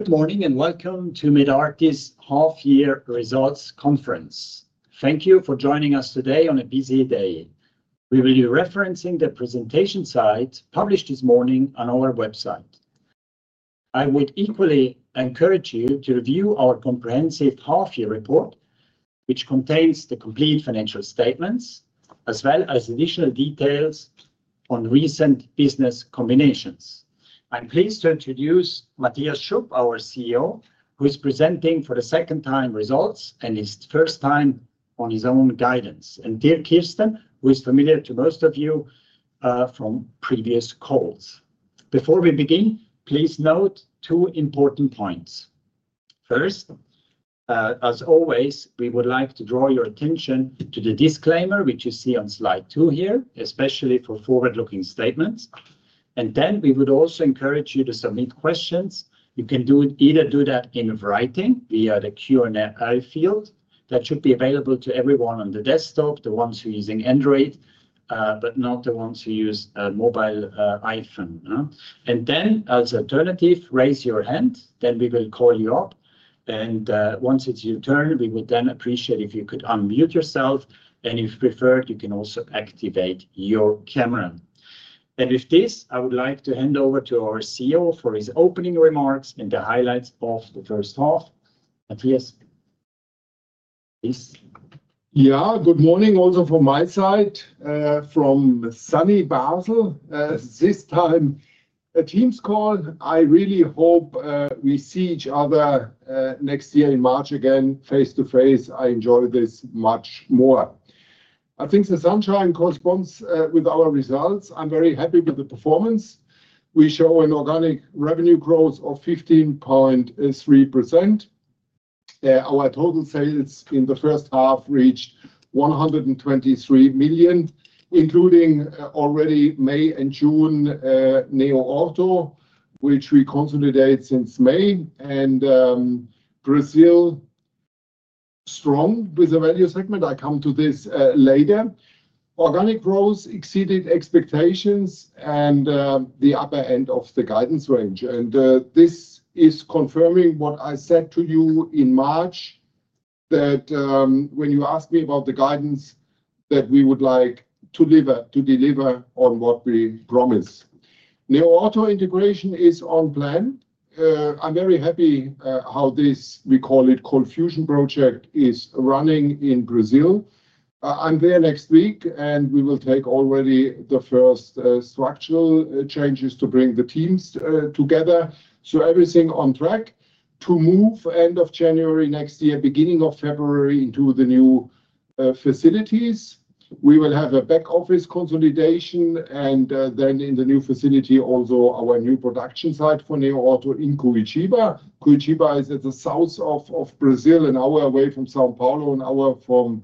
Good morning and welcome to Medartis Half Year Results Conference. Thank you for joining us today on a busy day. We will be referencing the presentation slides published this morning on our website. I would equally encourage you to review our comprehensive half-year report, which contains the complete financial statements, as well as additional details on recent business combinations. I'm pleased to introduce Matthias Schupp, our CEO, who is presenting for the second time results and his first time on his own guidance, and Dirk Kirsten, who is familiar to most of you from previous calls. Before we begin, please note two important points. First, as always, we would like to draw your attention to the disclaimer, which you see on slide two here, especially for forward-looking statements. We would also encourage you to submit questions. You can either do that in writing via the Q&A field that should be available to everyone on the desktop, the ones who are using Android, but not the ones who use a mobile iPhone. As an alternative, raise your hand. We will call you up. Once it's your turn, we would then appreciate it if you could unmute yourself. If preferred, you can also activate your camera. With this, I would like to hand over to our CEO for his opening remarks and the highlights of the first half. Matthias? Yeah, good morning also from my side, from sunny Basel. This time, a Teams call. I really hope we see each other next year in March again, face to face. I enjoy this much more. I think the sunshine corresponds with our results. I'm very happy with the performance. We show an organic revenue growth of 15.3%. Our total sales in the first half reached 123 million, including already May and June, NEOORTHO, which we consolidated since May. Brazil, strong with the value segment. I come to this later. Organic growth exceeded expectations and the upper end of the guidance range. This is confirming what I said to you in March, that when you asked me about the guidance, that we would like to deliver on what we promise. NEOORTHO integration is on plan. I'm very happy how this, we call it, cold fusion project is running in Brazil. I'm there next week, and we will take already the first structural changes to bring the teams together, so everything on track to move end of January next year, beginning of February into the new facilities. We will have a back office consolidation and then in the new facility, also our new production site for NEOORTHO in Curitiba. Curitiba is at the south of Brazil, an hour away from São Paulo, an hour from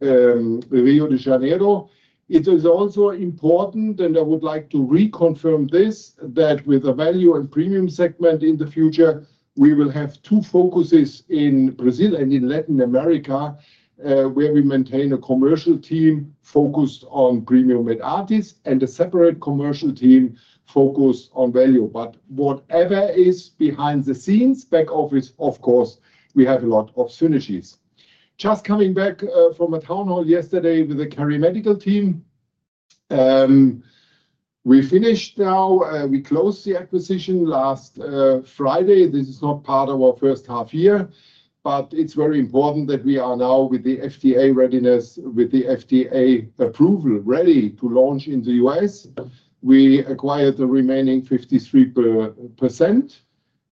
Rio de Janeiro. It is also important, and I would like to reconfirm this, that with the value and premium segment in the future, we will have two focuses in Brazil and in Latin America, where we maintain a commercial team focused on premium Medartis and a separate commercial team focused on value. Whatever is behind the scenes, back office, of course, we have a lot of synergies. Just coming back from a town hall yesterday with the KeriMedical team. We finished now, we closed the acquisition last Friday. This is not part of our first half year, but it's very important that we are now with the FDA readiness, with the FDA approval ready to launch in the U.S. We acquired the remaining 53%,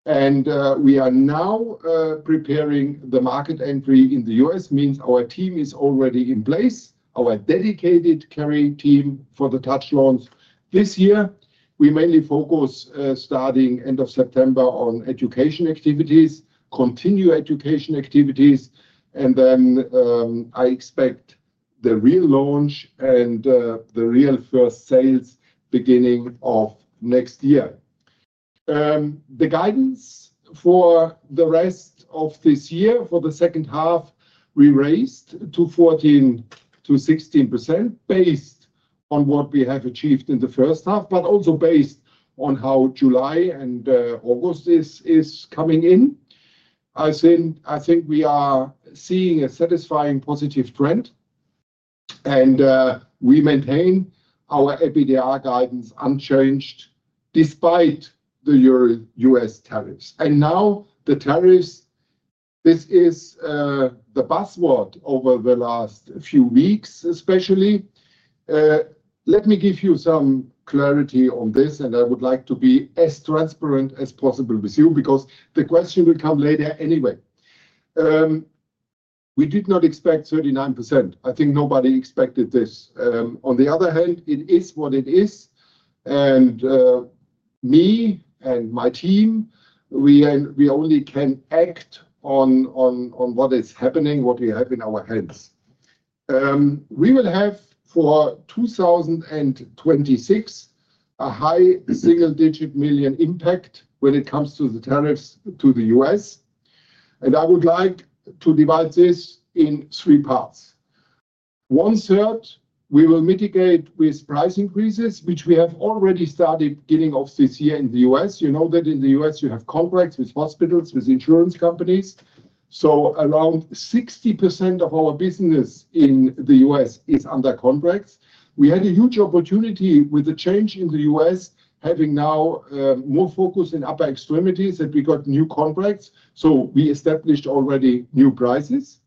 and we are now preparing the market entry in the U.S. It means our team is already in place, our dedicated Keri team for the Touch launch this year. We mainly focus starting end of September on education activities, continue education activities, and then I expect the real launch and the real first sales beginning of next year. The guidance for the rest of this year, for the second half, we raised to 14%-16% based on what we have achieved in the first half, but also based on how July and August is coming in. I think we are seeing a satisfying positive trend, and we maintain our EBITDA guidance unchanged despite the U.S. tariffs. Now the tariffs, this is the buzzword over the last few weeks, especially. Let me give you some clarity on this, and I would like to be as transparent as possible with you because the question will come later anyway. We did not expect 39%. I think nobody expected this. On the other hand, it is what it is. Me and my team, we only can act on what is happening, what we have in our hands. We will have for 2026 a high single-digit million impact when it comes to the tariffs to the U.S. I would like to divide this in three parts. One third, we will mitigate with price increases, which we have already started at the beginning of this year in the U.S. You know that in the U.S., you have contracts with hospitals, with insurance companies. Around 60% of our business in the U.S. is under contracts. We had a huge opportunity with the change in the U.S., having now more focus in upper extremities that we got new contracts. We established already new prices.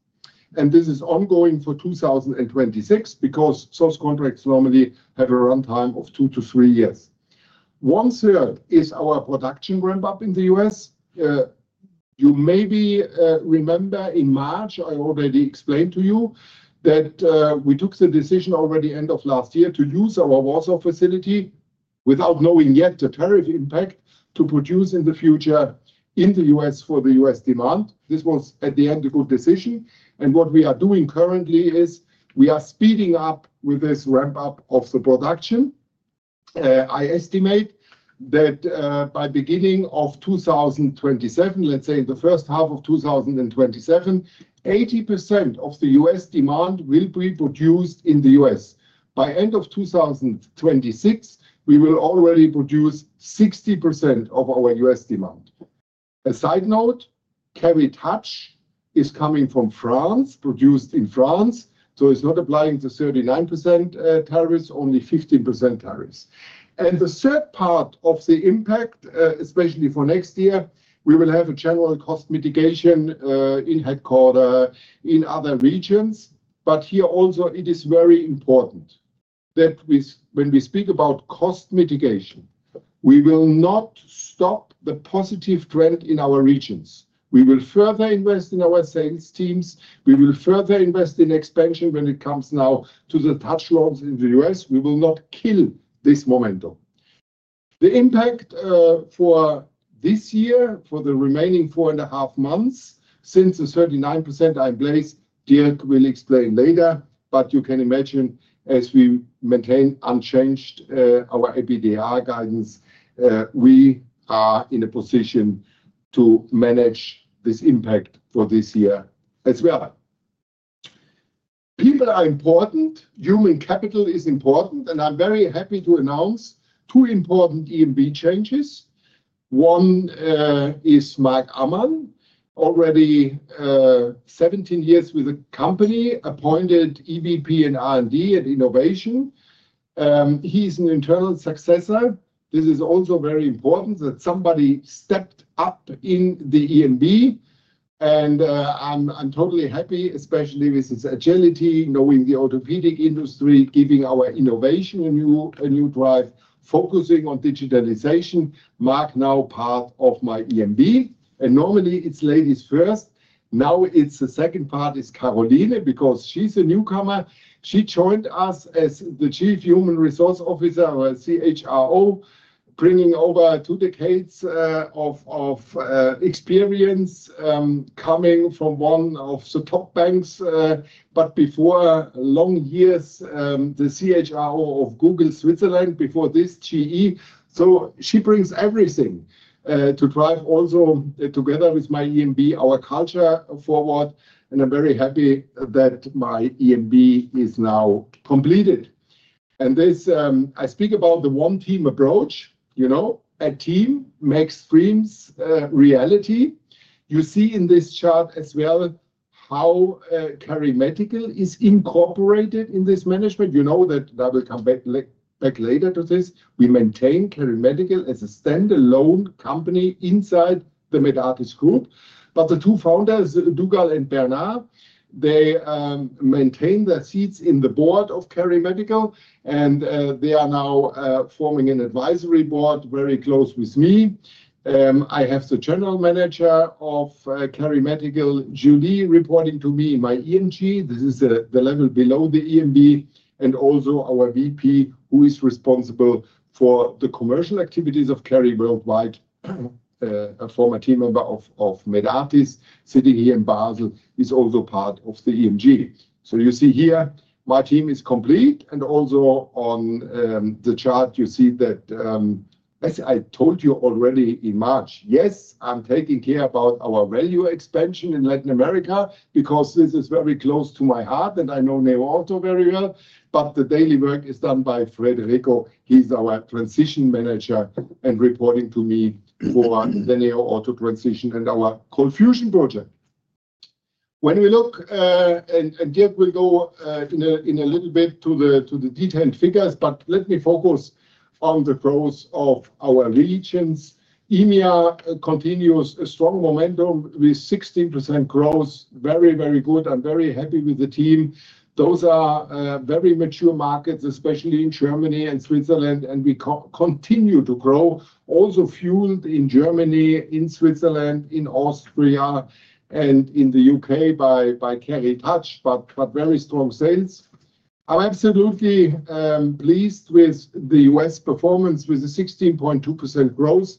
This is ongoing for 2026 because those contracts normally have a runtime of two to three years. One third is our production ramp-up in the U.S. You maybe remember in March, I already explained to you that we took the decision already end of last year to use our Warsaw facility without knowing yet the tariff impact to produce in the future in the U.S. for the U.S. demand. This was at the end a good decision. What we are doing currently is we are speeding up with this ramp-up of the production. I estimate that by the beginning of 2027, let's say in the first half of 2027, 80% of the U.S. demand will be produced in the U.S. By the end of 2026, we will already produce 60% of our U.S. demand. A side note, Keri Touch is coming from France, produced in France. It's not applying to 39% tariffs, only 15% tariffs. The third part of the impact, especially for next year, we will have a general cost mitigation in headquarter, in other regions. Here also, it is very important that when we speak about cost mitigation, we will not stop the positive trend in our regions. We will further invest in our sales teams. We will further invest in expansion when it comes now to the touch loans in the U.S. We will not kill this momentum. The impact for this year, for the remaining four and a half months, since the 39% in place, Dirk will explain later. You can imagine, as we maintain unchanged our EBITDA guidance, we are in a position to manage this impact for this year as well. People are important. Human capital is important. I'm very happy to announce two important EMB changes. One is Marc Ammann, already 17 years with the company, appointed EVP and R&D and Innovation. He's an internal successor. This is also very important that somebody stepped up in the EMB. I'm totally happy, especially with his agility, knowing the orthopedic industry, giving our innovation a new drive, focusing on digitalization. Mike now part of my EMB. Normally, it's ladies first. Now the second part is Caroline because she's a newcomer. She joined us as the Chief Human Resource Officer or CHRO, bringing over two decades of experience, coming from one of the top banks. Before, long years, the CHRO of Google Switzerland, before this GE. She brings everything to drive also together with my EMB, our culture forward. I'm very happy that my EMB is now completed. I speak about the one team approach. You know, a team makes dreams a reality. You see in this chart as well how KeriMedical is incorporated in this management. You know that I will come back later to this. We maintain KeriMedical as a standalone company inside the Medartis Group. The two founders, Dougal and Bernard, maintain their seats in the board of KeriMedical. They are now forming an advisory board very close with me. I have the General Manager of KeriMedical, [Judy], reporting to me in my EMG. This is the level below the EMB. Also, our VP, who is responsible for the commercial activities of Keri worldwide, a former team member of Medartis, sitting here in Basel, is also part of the EMG. You see here, my team is complete. Also on the chart, you see that, as I told you already in March, yes, I'm taking care about our value expansion in Latin America because this is very close to my heart and I know NEOORTHO very well. The daily work is done by Frederico. He's our transition manager and reporting to me for the NEOORTHO transition and our cold fusion project. When we look, and Dirk will go in a little bit to the detailed figures, let me focus on the growth of our regions. EMEA continues a strong momentum with 16% growth. Very, very good. I'm very happy with the team. Those are very mature markets, especially in Germany and Switzerland, and we continue to grow. Also fueled in Germany, in Switzerland, in Austria, and in the U.K. by Keri Touch, but very strong sales. I'm absolutely pleased with the U.S. performance with the 16.2% growth.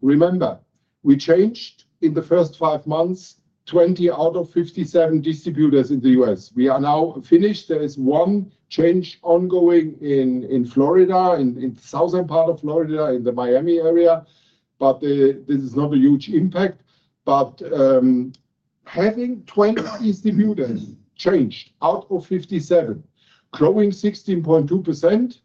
Remember, we changed in the first five months, 20 out of 57 distributors in the U.S. We are now finished. There is one change ongoing in Florida, in the southern part of Florida, in the Miami area, but this is not a huge impact. Having 20 distributors changed out of 57, growing 16.2%,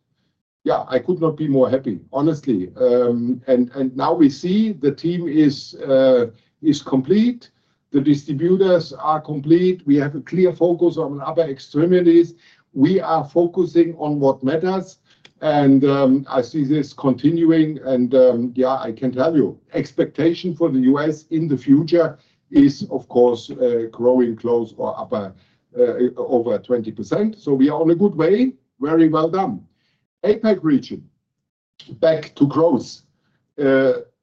yeah, I could not be more happy, honestly. Now we see the team is complete. The distributors are complete. We have a clear focus on upper extremities. We are focusing on what matters. I see this continuing. I can tell you, expectation for the U.S. in the future is, of course, growing close or upper over 20%. We are on a good way. Very well done. APAC region, back to growth.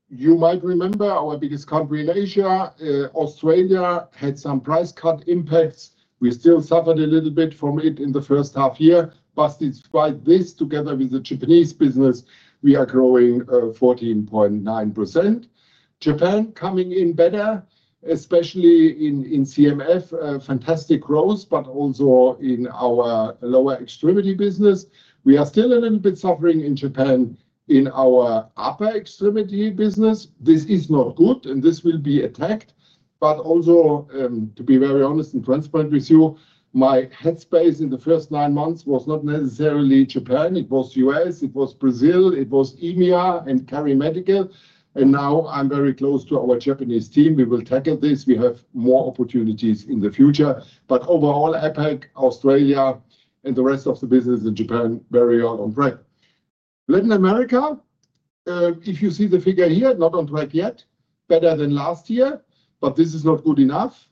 You might remember our biggest country in Asia, Australia, had some price cut impacts. We still suffered a little bit from it in the first half year. Despite this, together with the Japanese business, we are growing 14.9%. Japan coming in better, especially in CMF, fantastic growth, but also in our lower extremity business. We are still a little bit suffering in Japan in our upper extremity business. This is not good, and this will be attacked. Also, to be very honest and transparent with you, my headspace in the first nine months was not necessarily Japan. It was U.S., it was Brazil, it was EMEA and KeriMedical. Now I'm very close to our Japanese team. We will tackle this. We have more opportunities in the future. Overall, APAC, Australia, and the rest of the business in Japan very well on track. Latin America, if you see the figure here, not on track yet, better than last year, but this is not good enough.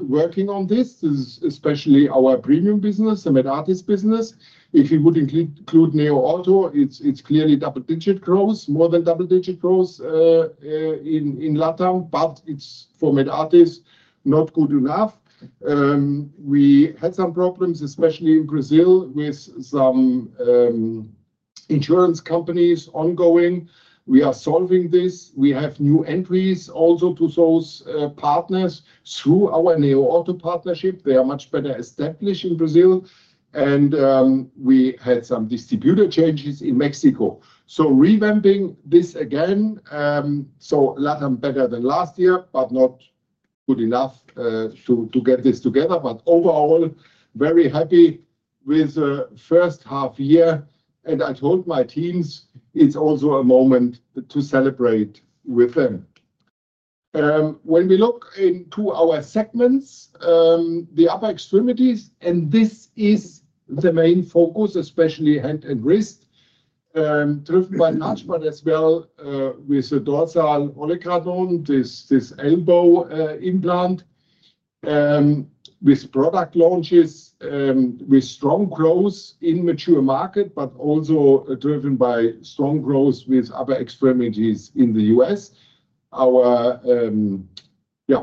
Working on this, especially our premium business, the Medartis business. If you would include NEOORTHO, it's clearly double-digit growth, more than double-digit growth in LatAm, but it's for Medartis not good enough. We had some problems, especially in Brazil, with some insurance companies ongoing. We are solving this. We have new entries also to those partners through our NEOORTHO partnership. They are much better established in Brazil. We had some distributor changes in Mexico. Revamping this again, so LatAm better than last year, but not good enough to get this together. Overall, very happy with the first half year. I told my teams it's also a moment to celebrate with them. When we look into our segments, the upper extremities, and this is the main focus, especially hand and wrist, driven by Touch, but as well with the dorsal olecranon, this elbow implant, with product launches, with strong growth in the mature market, also driven by strong growth with upper extremities in the U.S., our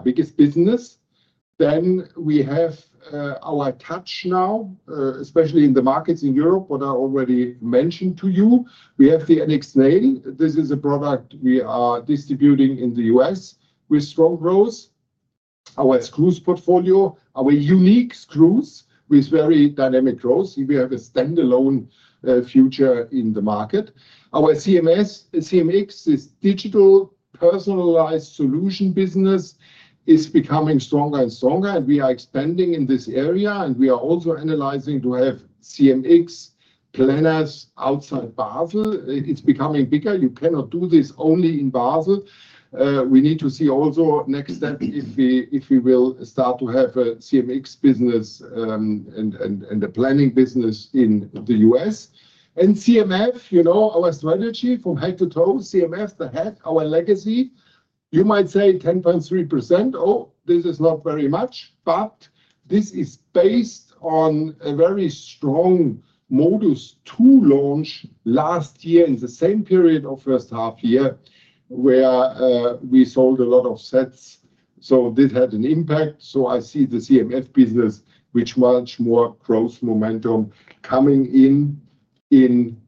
biggest business. We have our Touch now, especially in the markets in Europe, what I already mentioned to you. We have the NX Nail. This is a product we are distributing in the U.S. with strong growth. Our screws portfolio, our unique screws with very dynamic growth. We have a standalone future in the market. Our CMX, this digital personalized solution business, is becoming stronger and stronger. We are expanding in this area. We are also analyzing to have CMX planners outside Basel. It's becoming bigger. You cannot do this only in Basel. We need to see also next step if we will start to have a CMX business and the planning business in the U.S. CMF, you know, our strategy from head to toe, CMF, the head, our legacy. You might say 10.3%. Oh, this is not very much. This is based on a very strong modus to launch last year in the same period of first half year where we sold a lot of sets. This had an impact. I see the CMF business with much more growth momentum coming in in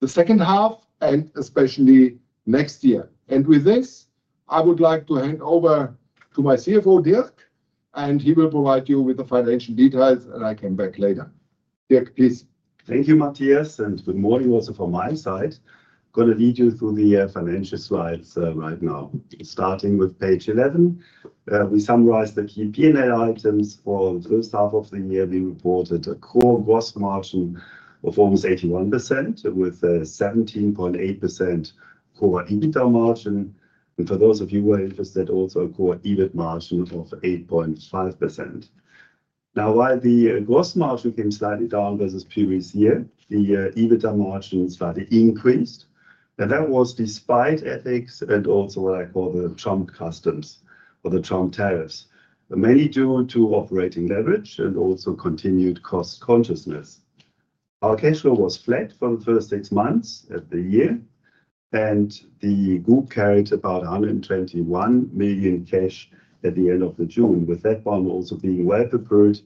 the second half and especially next year. I would like to hand over to my CFO, Dirk, and he will provide you with the financial details, and I'll come back later. Dirk, please. Thank you, Matthias, and good morning also from my side. I'm going to lead you through the financial slides right now. Starting with page 11, we summarize the key P&L items for the first half of the year. We reported a core gross margin of almost 81% with a 17.8% core EBITDA margin. For those of you who are interested, also a core EBITDA margin of 8.5%. While the gross margin came slightly down versus previous year, the EBITDA margin slightly increased. That was despite FX and also what I call the Trump customs or the Trump tariffs, mainly due to operating leverage and also continued cost consciousness. Our cash flow was flat for the first six months of the year, and the group carried about 121 million cash at the end of June, with that one also being well prepared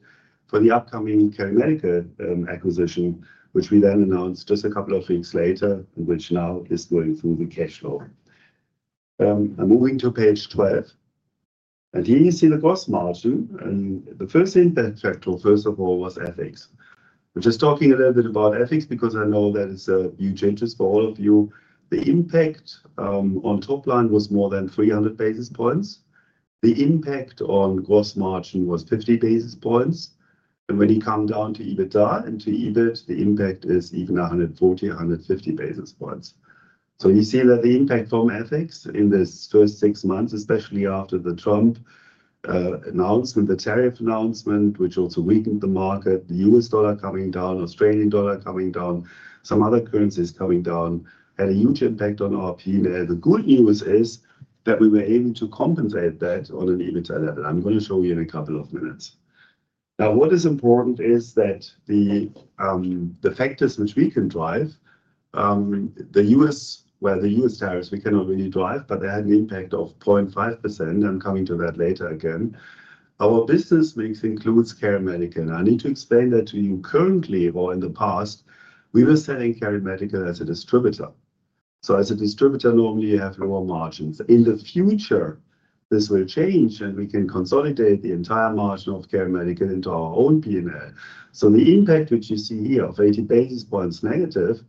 for the upcoming KeriMedical acquisition, which we then announced just a couple of weeks later, which now is going through the cash flow. I'm moving to page 12. Here you see the gross margin. The first thing that I checked, first of all, was FX. I'm just talking a little bit about FX because I know that it's a huge interest for all of you. The impact on top line was more than 300 basis points. The impact on gross margin was 50 basis points. When you come down to EBITDA and to EBIT, the impact is even 140, 150 basis points. You see that the impact from FX in this first six months, especially after the Trump announcement, the tariff announcement, which also weakened the market, the U.S. dollar coming down, Australian dollar coming down, some other currencies coming down, had a huge impact on our P&L. The good news is that we were able to compensate that on an EBITDA level. I'm going to show you in a couple of minutes. What is important is that the factors which we can drive, the U.S. tariffs, we cannot really drive, but they had an impact of 0.5%. I'm coming to that later again. Our business mix includes KeriMedical. I need to explain that to you. Currently, or in the past, we were selling KeriMedical as a distributor. As a distributor, normally you have your own margins. In the future, this will change, and we can consolidate the entire margin of KeriMedical into our own P&L. The impact which you see here of 80 basis points negative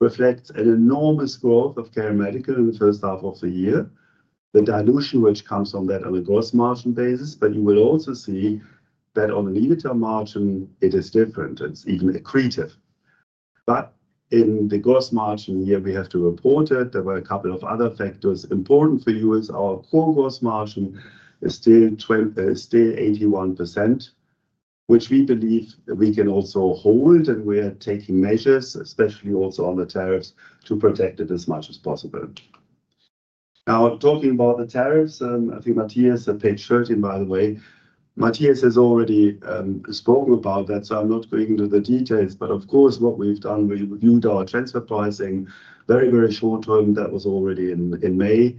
reflects an enormous growth of KeriMedical in the first half of the year. The dilution which comes from that on a gross margin basis, but you will also see that on the EBITDA margin, it is different. It's even accretive. In the gross margin here, we have to report it. There were a couple of other factors important for you as our core gross margin is still 81%, which we believe we can also hold, and we are taking measures, especially also on the tariffs, to protect it as much as possible. Now, talking about the tariffs, I think Matthias on page 13, by the way, Matthias has already spoken about that, so I'm not going into the details. Of course, what we've done, we reviewed our transfer pricing very, very short term. That was already in May.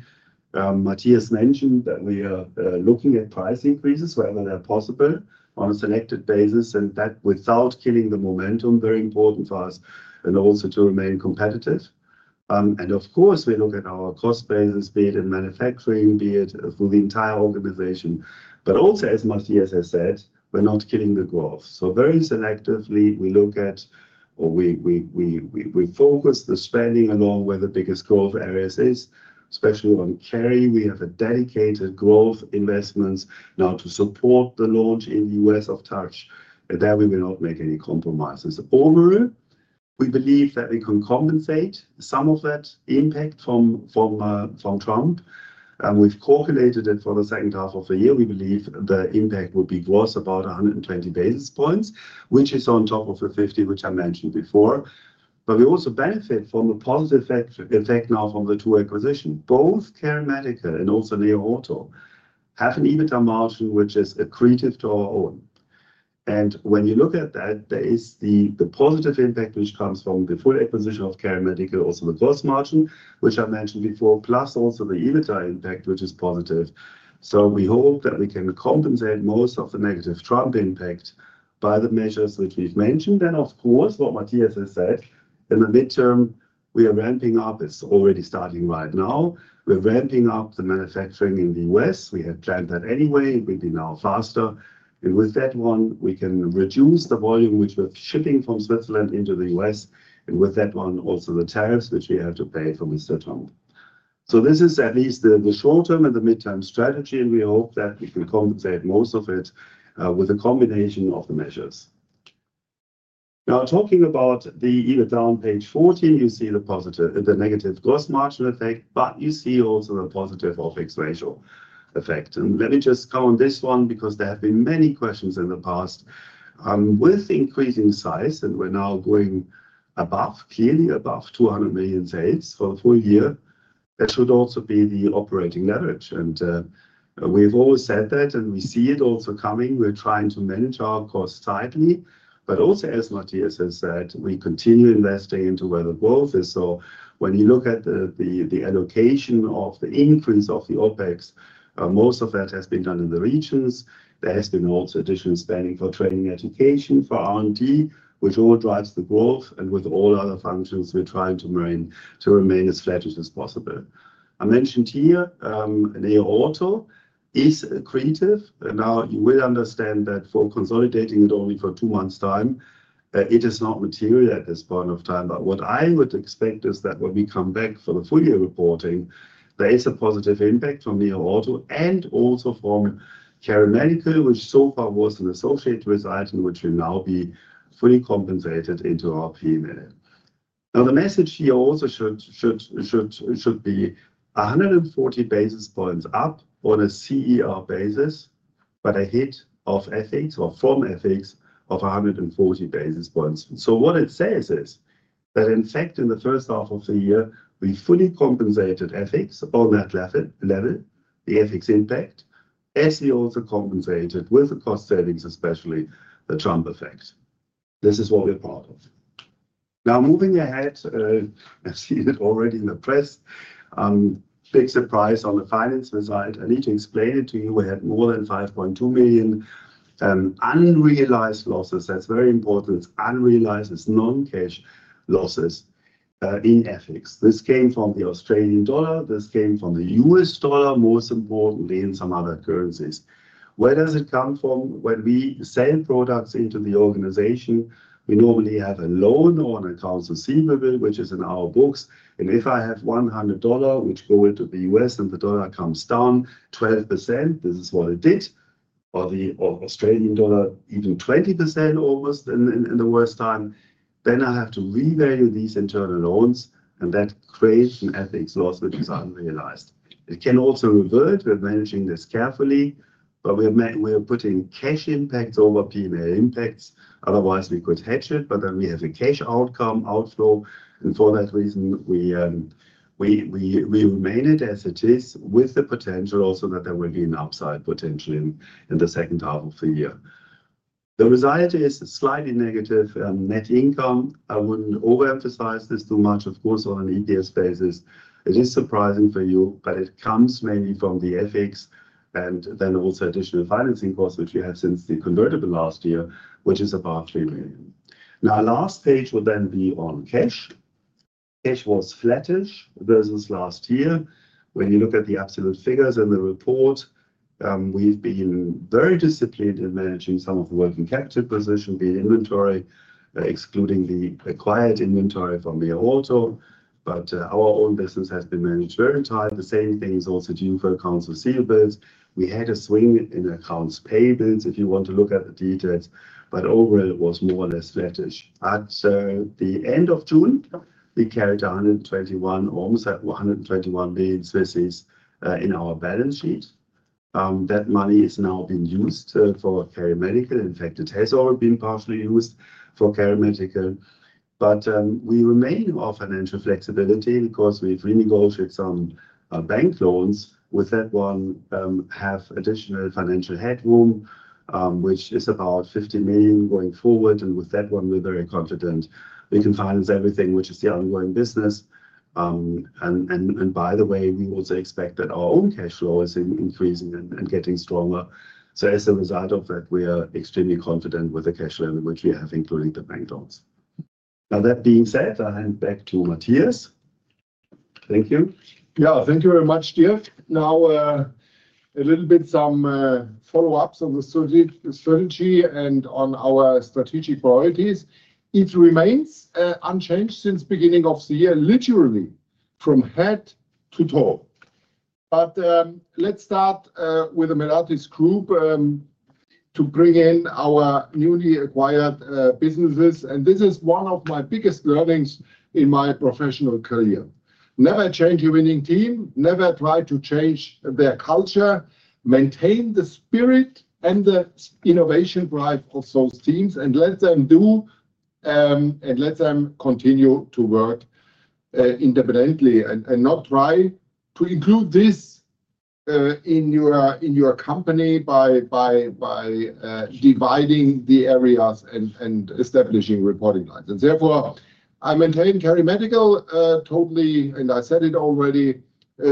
Matthias mentioned that we are looking at price increases, whether they're possible on a selected basis, and that without killing the momentum, very important for us, and also to remain competitive. Of course, we look at our cost basis, be it in manufacturing, be it through the entire organization. Also, as Matthias has said, we're not killing the growth. Very selectively, we look at, or we focus the spending along where the biggest growth areas is, especially on Keri. We have a dedicated growth investment now to support the launch in the U.S. of Touch. In that way, we will not make any compromises. Overall, we believe that we can compensate some of that impact from Trump. We've calculated that for the second half of the year, we believe the impact would be gross about 120 basis points, which is on top of the 50, which I mentioned before. We also benefit from a positive effect now from the two acquisitions. Both KeriMedical and also NEOORTHO have an EBITDA margin which is accretive to our own. When you look at that, there is the positive impact which comes from the full acquisition of KeriMedical, also the gross margin, which I mentioned before, plus also the EBITDA impact, which is positive. We hope that we can compensate most of the negative Trump impact by the measures that we've mentioned. Of course, what Matthias has said, in the midterm, we are ramping up. It's already starting right now. We're ramping up the manufacturing in the U.S. We had planned that anyway. It will be now faster. With that one, we can reduce the volume which we're shipping from Switzerland into the U.S. With that one, also the tariffs which we had to pay from Mr. Trump. This is at least the short-term and the mid-term strategy. We hope that if we compensate most of it with a combination of the measures. Now, talking about the EBITDA on page 14, you see the positive and the negative gross margin effect, but you see also the positive OpEx ratio effect. Let me just count this one because there have been many questions in the past. With the increasing size, and we're now going clearly above 200 million sales for a full year, that should also be the operating leverage. We've always said that, and we see it also coming. We're trying to manage our costs tightly. As Matthias has said, we continue investing into where the growth is. When you look at the allocation of the increase of the OpEx, most of that has been done in the regions. There has been also additional spending for training, education, for R&D, which all drives the growth. With all other functions, we're trying to remain as fledgling as possible. I mentioned here, NEOORTHO is accretive. You will understand that for consolidating it only for two months' time, it is not material at this point of time. What I would expect is that when we come back for the full year reporting, there is a positive impact from NEOORTHO and also from KeriMedical, which so far was an associate result and which will now be fully compensated into our P&L. The message here also should be 140 basis points up on a CER basis, but a hit of FX or from FX of 140 basis points. What it says is that, in fact, in the first half of the year, we fully compensated FX on that level, the FX impact, as we also compensated with the cost savings, especially the Trump effect. This is what we're part of. Moving ahead, I've seen it already in the press, a big surprise on the finance result. I need to explain it to you. We had more than 5.2 million unrealized losses. That's very important. It's unrealized. It's non-cash losses in FX. This came from the Australian dollar. This came from the U.S. dollar, most importantly in some other currencies. Where does it come from? When we sell products into the organization, we normally have a loan on accounts receivable, which is in our books. If I have $100 which goes to the U.S. and the dollar comes down 12%, this is what it did, or the Australian dollar even 20% almost in the worst time, then I have to revalue these internal loans. That creates an FX loss, which is unrealized. It can also revert. We're managing this carefully, but we're putting cash impacts over P&L impacts. Otherwise, we could hedge it, but then we have a cash outflow. For that reason, we remain it as it is with the potential also that there will be an upside potential in the second half of the year. The result is slightly negative net income. I wouldn't overemphasize this too much. Of course, on an EPS basis, it is surprising for you, but it comes mainly from the FX and then also additional financing costs, which you had since the convertible last year, which is about 3 million. Now, last page would then be on cash. Cash was flattish versus last year. When you look at the absolute figures in the report, we've been very disciplined in managing some of the working capital position via inventory, excluding the acquired inventory from NEOORTHO. Our own business has been managed very tight. The same thing is also true for accounts receivables. We had a swing in accounts payments, if you want to look at the details, but overall, it was more or less flattish. At the end of June, we carried almost 121 million in our balance sheet. That money is now being used for KeriMedical. In fact, it has already been partially used for KeriMedical. We remain in our financial flexibility because we've renegotiated some bank loans. With that one, we have additional financial headroom, which is about 50 million going forward. With that one, we're very confident. We can finance everything, which is the ongoing business. By the way, we also expect that our own cash flow is increasing and getting stronger. As a result of that, we are extremely confident with the cash flow, which we have included in the bank loans. That being said, I hand back to Matthias. Thank you. Thank you very much, Dirk. Now, a little bit of some follow-ups on the strategy and on our strategic priorities. It remains unchanged since the beginning of the year, literally from head to toe. Let's start with the Medartis Group to bring in our newly acquired businesses. This is one of my biggest learnings in my professional career. Never change a winning team. Never try to change their culture. Maintain the spirit and the innovation drive of those teams and let them do and let them continue to work independently and not try to include this in your company by dividing the areas and establishing reporting lines. Therefore, I maintain KeriMedical totally, and I said it already,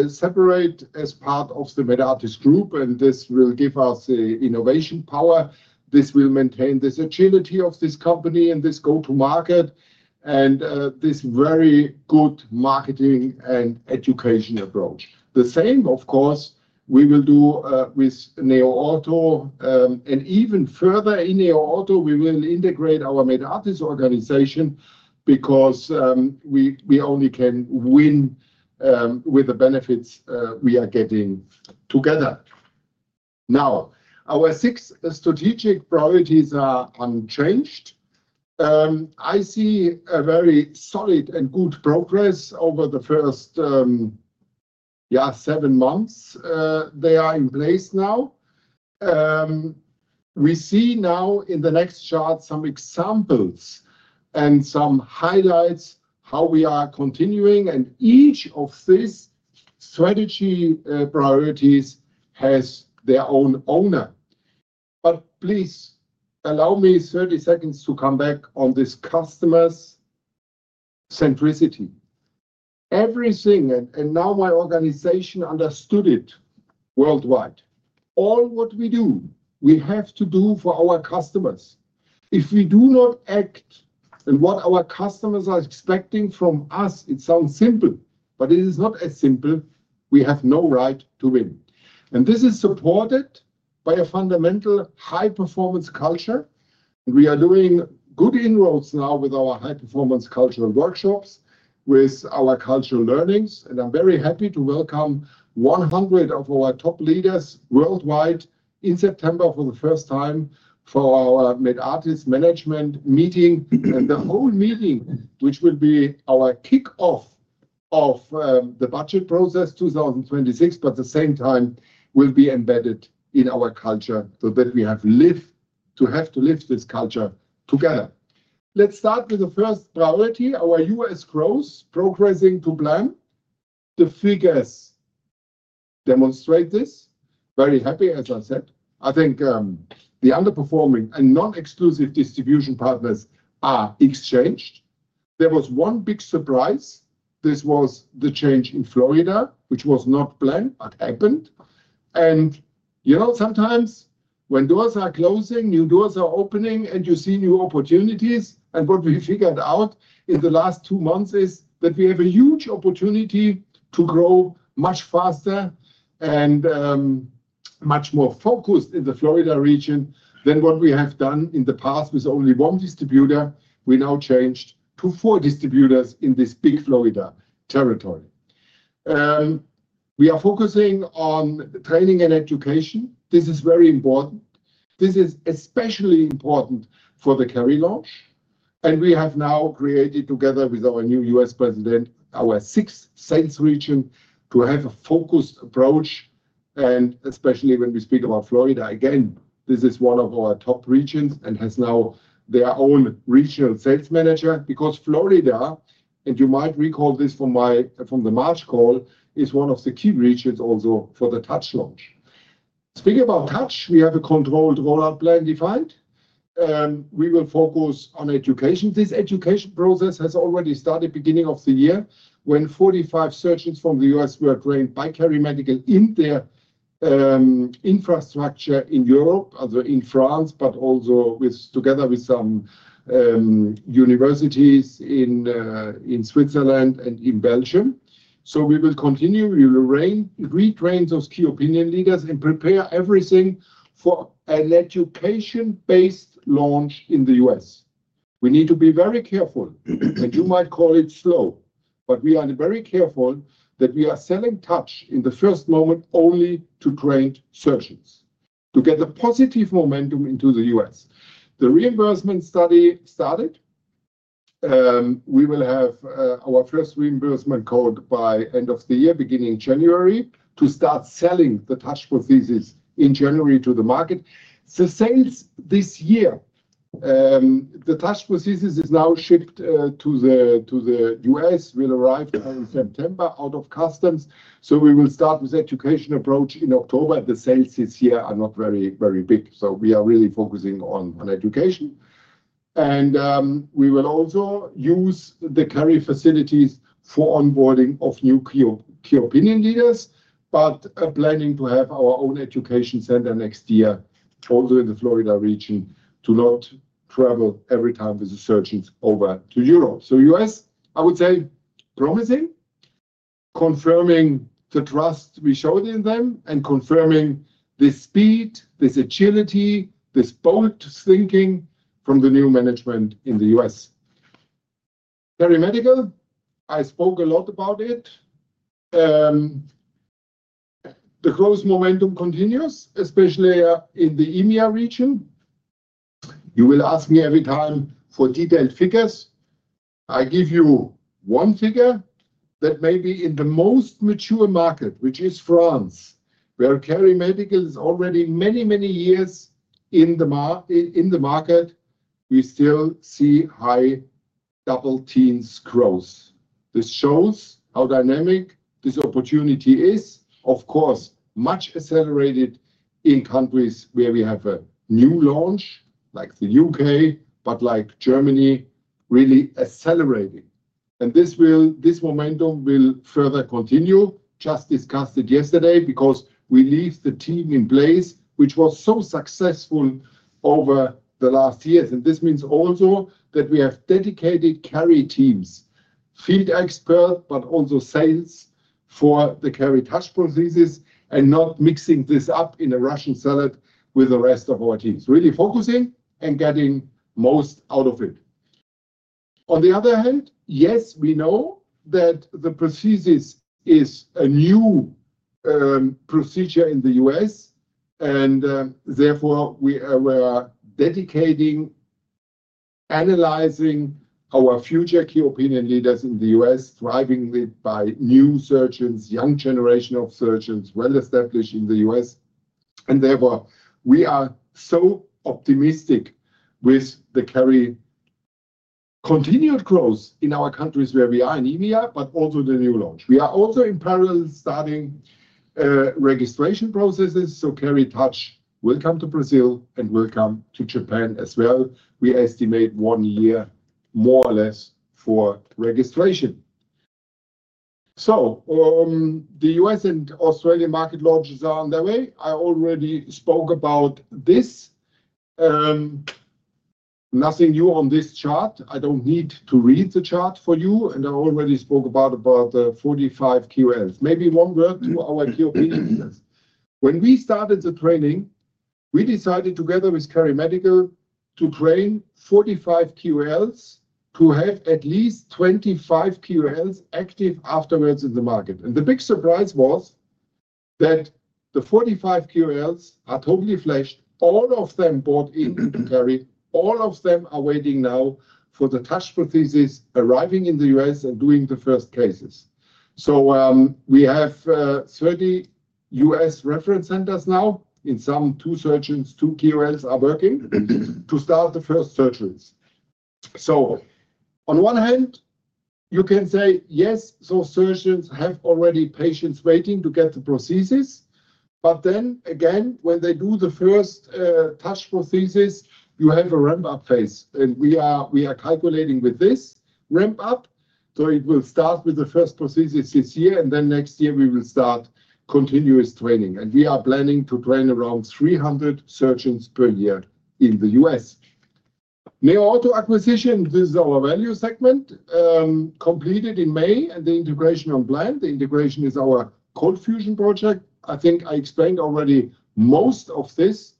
separate as part of the Medartis Group. This will give us the innovation power. This will maintain the agility of this company and this go-to-market and this very good marketing and educational approach. The same, of course, we will do with NEOORTHO. Even further in NEOORTHO, we will integrate our Medartis organization because we only can win with the benefits we are getting together. Now, our six strategic priorities are unchanged. I see a very solid and good progress over the first, yeah, seven months they are in place now. We see now in the next chart some examples and some highlights how we are continuing. Each of these strategy priorities has their own owner. Please allow me 30 seconds to come back on this customer centricity. Everything, and now my organization understood it worldwide. All what we do, we have to do for our customers. If we do not act on what our customers are expecting from us, it sounds simple, but it is not as simple. We have no right to win. This is supported by a fundamental high-performance culture. We are doing good inroads now with our high-performance cultural workshops, with our cultural learnings. I am very happy to welcome 100 of our top leaders worldwide in September for the first time for our Medartis management meeting. The whole meeting, which will be our kickoff of the budget process 2026, but at the same time will be embedded in our culture. We have to live this culture together. Let's start with the first priority, our U.S. growth progressing to plan. The figures demonstrate this. Very happy, as I said. I think the underperforming and non-exclusive distribution partners are exchanged. There was one big surprise. This was the change in Florida, which was not planned, but happened. Sometimes when doors are closing, new doors are opening, and you see new opportunities. What we figured out in the last two months is that we have a huge opportunity to grow much faster and much more focused in the Florida region than what we have done in the past with only one distributor. We now changed to four distributors in this big Florida territory. We are focusing on training and education. This is very important. This is especially important for the Keri launch. We have now created, together with our new U.S. president, our sixth sales region to have a focused approach. Especially when we speak about Florida, again, this is one of our top regions and has now their own regional sales manager because Florida, and you might recall this from the March call, is one of the key regions also for the Touch launch. Speaking about Touch, we have a controlled rollout plan defined. We will focus on education. This education process has already started at the beginning of the year when 45 surgeons from the U.S. were trained by KeriMedical in their infrastructure in Europe, in France, but also together with some universities in Switzerland and in Belgium. We will continue. We will retrain those key opinion leaders and prepare everything for an education-based launch in the U.S. We need to be very careful. You might call it slow, but we are very careful that we are selling Touch in the first moment only to trained surgeons to get the positive momentum into the U.S. The reimbursement study started. We will have our first reimbursement code by the end of the year, beginning January, to start selling the Touch prosthesis in January to the market. Sales this year, the Touch prosthesis is now shipped to the U.S. It will arrive in September out of customs. We will start with the education approach in October. The sales this year are not very, very big. We are really focusing on education. We will also use the Keri facilities for onboarding of new key opinion leaders, but planning to have our own education center next year, also in the Florida region, to not travel every time with the surgeons over to Europe. U.S., I would say, promising, confirming the trust we showed in them and confirming the speed, the agility, the bold thinking from the new management in the U.S. KeriMedical, I spoke a lot about it. The growth momentum continues, especially in the EMEA region. You will ask me every time for detailed figures. I give you one figure that may be in the most mature market, which is France, where KeriMedical is already many, many years in the market. We still see high double teens growth. This shows how dynamic this opportunity is, of course, much accelerated in countries where we have a new launch like the U.K., but like Germany, really accelerating. This momentum will further continue. I just discussed it yesterday because we leave the team in place, which was so successful over the last years. This means also that we have dedicated Keri teams, field experts, but also sales for the Keri Touch prosthesis, and now mixing this up in a Russian salad with the rest of our teams, really focusing and getting most out of it. On the other hand, yes, we know that the prosthesis is a new procedure in the U.S., and therefore, we are dedicating analyzing our future key opinion leaders in the U.S., driving it by new surgeons, young generation of surgeons, well established in the U.S. Therefore, we are so optimistic with the Keri continued growth in our countries where we are in EMEA, but also the new launch. We are also in parallel starting registration processes. Keri Touch will come to Brazil and will come to Japan as well. We estimate one year more or less for registration. The U.S. and Australian market launches are underway. I already spoke about this. Nothing new on this chart. I don't need to read the chart for you. I already spoke about the 45 KOLs. Maybe one word to our key opinion leaders. When we started the training, we decided together with KeriMedical to train 45 KOLs to have at least 25 KOLs active afterwards in the market. The big surprise was that the 45 KOLs are totally fledged. All of them bought into Keri. All of them are waiting now for the Touch prosthesis arriving in the U.S. and doing the first cases. We have 30 U.S. reference centers now. In some, two surgeons, two KOLs are working to start the first surgeons. On one hand, you can say, yes, those surgeons have already patients waiting to get the prosthesis. Then again, when they do the first Touch prosthesis, you have a ramp-up phase. We are calculating with this ramp-up. It will start with the first prosthesis this year, and next year, we will start continuous training. We are planning to train around 300 surgeons per year in the U.S. NEOORTHO acquisition, this is our value segment, completed in May, and the integration on plan. The integration is our cold fusion project. I think I explained already most of this.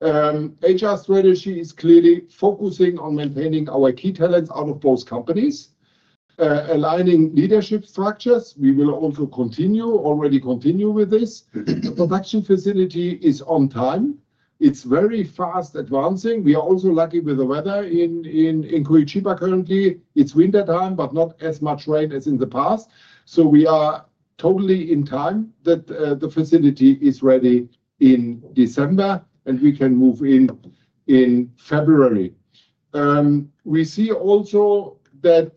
HR strategy is clearly focusing on maintaining our key talents out of both companies, aligning leadership structures. We will also continue, already continue with this. The production facility is on time. It's very fast advancing. We are also lucky with the weather in Curitiba currently. It's wintertime, but not as much rain as in the past. We are totally in time that the facility is ready in December, and we can move in in February. We see also that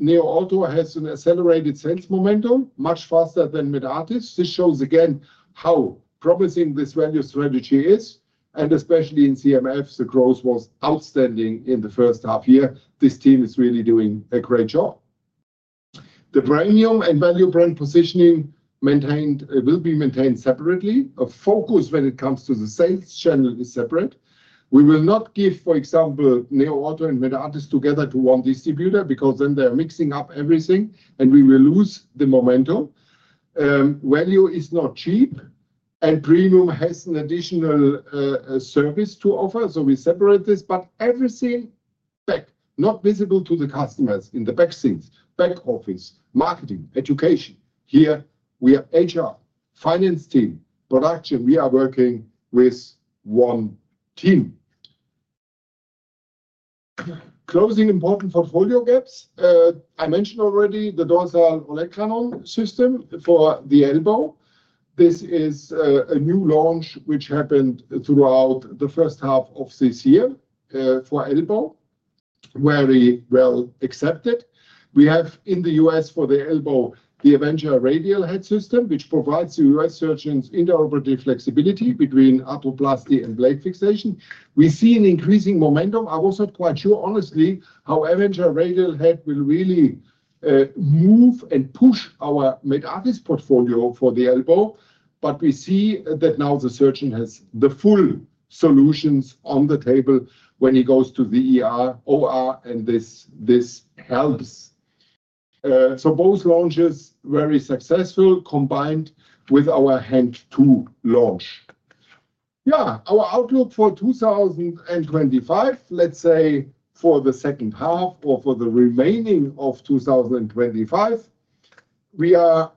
NEOORTHO has an accelerated sales momentum, much faster than Medartis. This shows again how promising this value strategy is. Especially in CMFs, the growth was outstanding in the first half year. This team is really doing a great job. The premium and value brand positioning will be maintained separately. A focus when it comes to the sales channel is separate. We will not give, for example, NEOORTHO and Medartis together to one distributor because then they're mixing up everything, and we will lose the momentum. Value is not cheap, and premium has an additional service to offer. We separate this, but everything back, not visible to the customers in the back seats, back office, marketing, education. Here, we have HR, finance team, production. We are working with one team. Closing important portfolio gaps. I mentioned already the dorsal olecranon system for the elbow. This is a new launch which happened throughout the first half of this year for elbow, very well accepted. We have in the U.S. for the elbow, the Avenger radial head system, which provides the U.S. surgeons interoperative flexibility between arthroplasty and blade fixation. We see an increasing momentum. I was not quite sure, honestly, how Avenger radial head will really move and push our Medartis portfolio for the elbow. We see that now the surgeon has the full solutions on the table when he goes to the ER, OR, and this helps. Both launches are very successful combined with our hand to launch. Our outlook for 2025, let's say for the second half or for the remaining of 2025, we are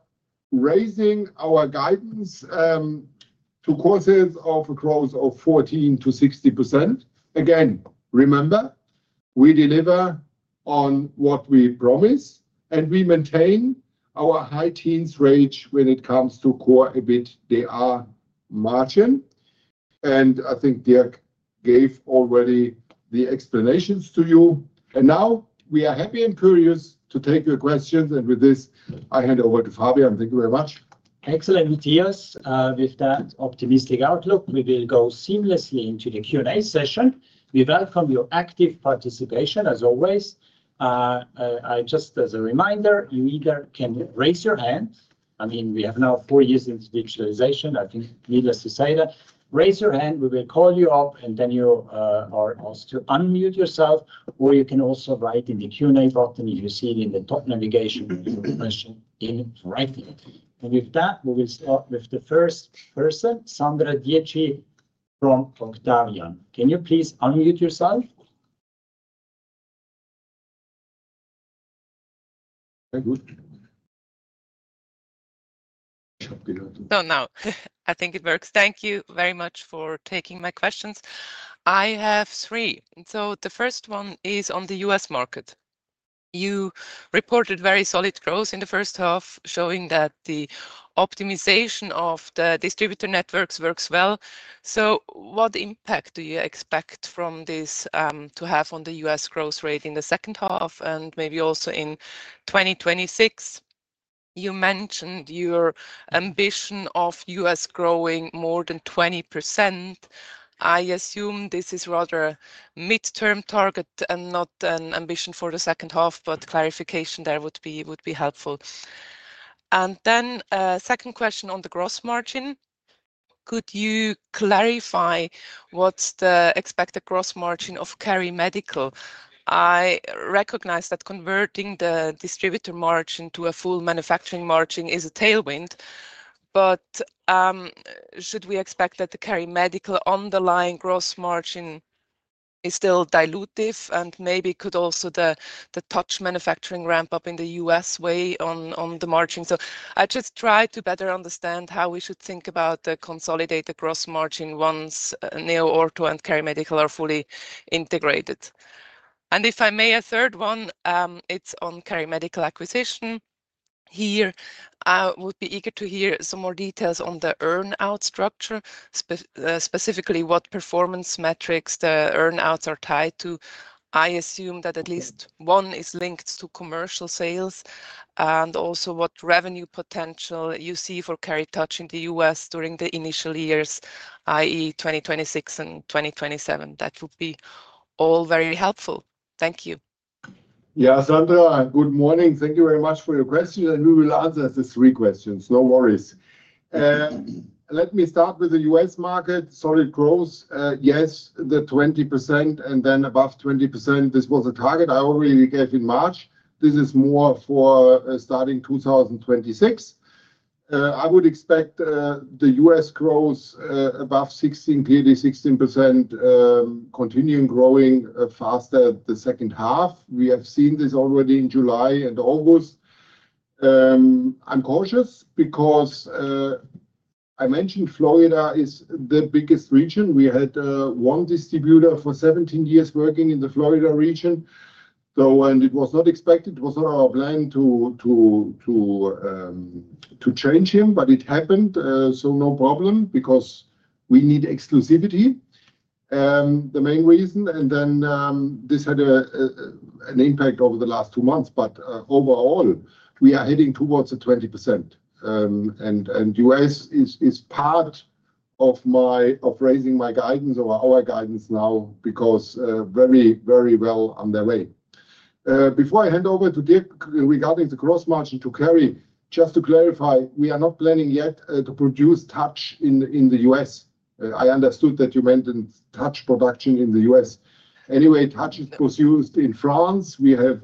raising our guidance to courses of a growth of 14%-16%. Again, remember, we deliver on what we promise, and we maintain our high teens range when it comes to core EBITDA margin. I think Dirk gave already the explanations to you. We are happy and curious to take your questions. With this, I hand over to Fabian. Thank you very much. Excellent, Matthias. With that optimistic outlook, we will go seamlessly into the Q&A session. We welcome your active participation, as always. Just as a reminder, you either can raise your hand. We have now four years in digitalization. Needless to say that. Raise your hand, we will call you up, and then you are asked to unmute yourself, or you can also write in the Q&A button. You can see it in the top navigation in the right thing. With that, we will start with the first person, Sandra Dietschy from Octavian. Can you please unmute yourself? I think it works. Thank you very much for taking my questions. I have three. The first one is on the U.S. market. You reported very solid growth in the first half, showing that the optimization of the distributor networks works well. What impact do you expect this to have on the U.S. growth rate in the second half and maybe also in 2026? You mentioned your ambition of U.S. growing more than 20%. I assume this is rather a midterm target and not an ambition for the second half, but clarification there would be helpful. A second question on the gross margin. Could you clarify what's the expected gross margin of KeriMedical? I recognize that converting the distributor margin to a full manufacturing margin is a tailwind. Should we expect that the KeriMedical underlying gross margin is still dilutive and maybe could also the Touch manufacturing ramp up in the U.S. weigh on the margin? I just try to better understand how we should think about the consolidated gross margin once NEOORTHO and KeriMedical are fully integrated. If I may, a third one, it's on KeriMedical acquisition. Here, I would be eager to hear some more details on the earnout structure, specifically what performance metrics the earnouts are tied to. I assume that at least one is linked to commercial sales and also what revenue potential you see for Keri Touch in the U.S. during the initial years, i.e. 2026 and 2027. That would be all very helpful. Thank you. Yeah, Sandra, and good morning. Thank you very much for your questions, and we will answer the three questions. No worries. Let me start with the U.S. market. Solid growth. Yes, the 20% and then above 20%. This was a target I already gave in March. This is more for starting 2026. I would expect the U.S. growth above 16%, clearly 16%, continuing growing faster the second half. We have seen this already in July and August. I'm cautious because I mentioned Florida is the biggest region. We had one distributor for 17 years working in the Florida region. It was not expected. It was not our plan to change him, but it happened. No problem because we need exclusivity, the main reason. This had an impact over the last two months. Overall, we are heading towards the 20%. The U.S. is part of my raising my guidance or our guidance now because very, very well underway. Before I hand over to Dirk regarding the gross margin to clarify, we are not planning yet to produce Touch in the U.S. I understood that you mentioned Touch production in the U.S. Anyway, Touch is produced in France. We have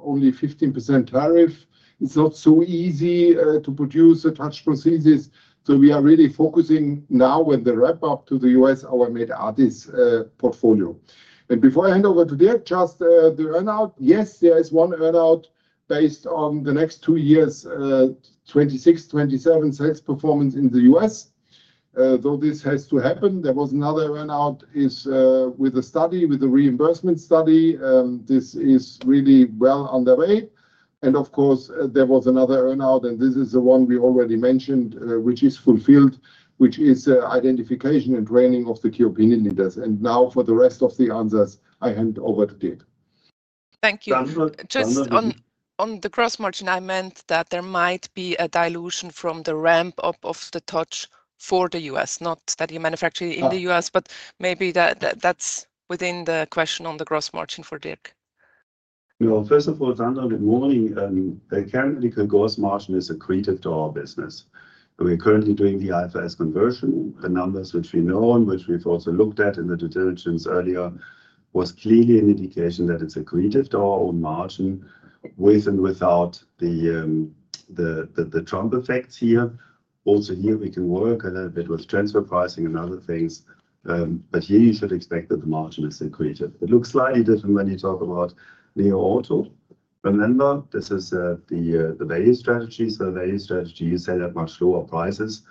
only a 15% tariff. It's not so easy to produce the Touch prosthesis. We are really focusing now when the ramp-up to the U.S., our Medartis portfolio. Before I hand over to Dirk, just the earnout. Yes, there is one earnout based on the next two years, 2026, 2027 sales performance in the U.S. This has to happen. There was another earnout with a study, with a reimbursement study. This is really well underway. Of course, there was another earnout, and this is the one we already mentioned, which is fulfilled, which is identification and training of the key opinion leaders. Now for the rest of the answers, I hand over to Dirk. Thank you. Just on the gross margin, I meant that there might be a dilution from the ramp-up of the Touch for the U.S., not that you manufacture in the U.S., but maybe that's within the question on the gross margin for Dirk. First of all, Sandra, good morning. The KeriMedical gross margin is accretive to our business. We're currently doing the FX conversion. The numbers which we know and which we've also looked at in the due diligence earlier were clearly an indication that it's accretive to our own margin with and without the Trump effects here. Also, here, we can work a little bit with transfer pricing and other things. Here, you should expect that the margin is accretive. It looks slightly different when you talk about NEOORTHO. Remember, this is the value strategy. The value strategy is set at much lower prices,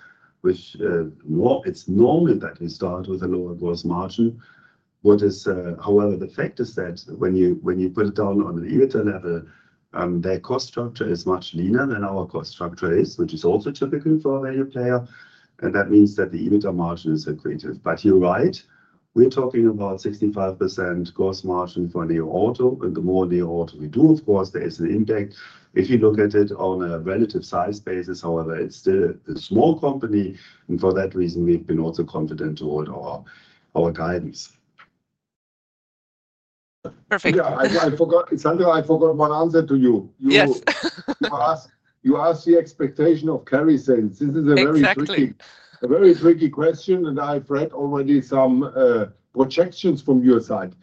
which is normal that we start with a lower gross margin. However, the fact is that when you put it down on an EBITDA level, their cost structure is much leaner than our cost structure is, which is also typical for a value player. That means that the EBITDA margin is accretive. You're right. We're talking about 65% gross margin for NEOORTHO. The more NEOORTHO we do, of course, there is an impact. If you look at it on a relative size basis, however, it's still a small company. For that reason, we've been also confident to hold our guidance. Perfect. I forgot one answer to you. You asked the expectation of Keri sense. This is a very tricky, a very tricky question. I've read already some projections from your side.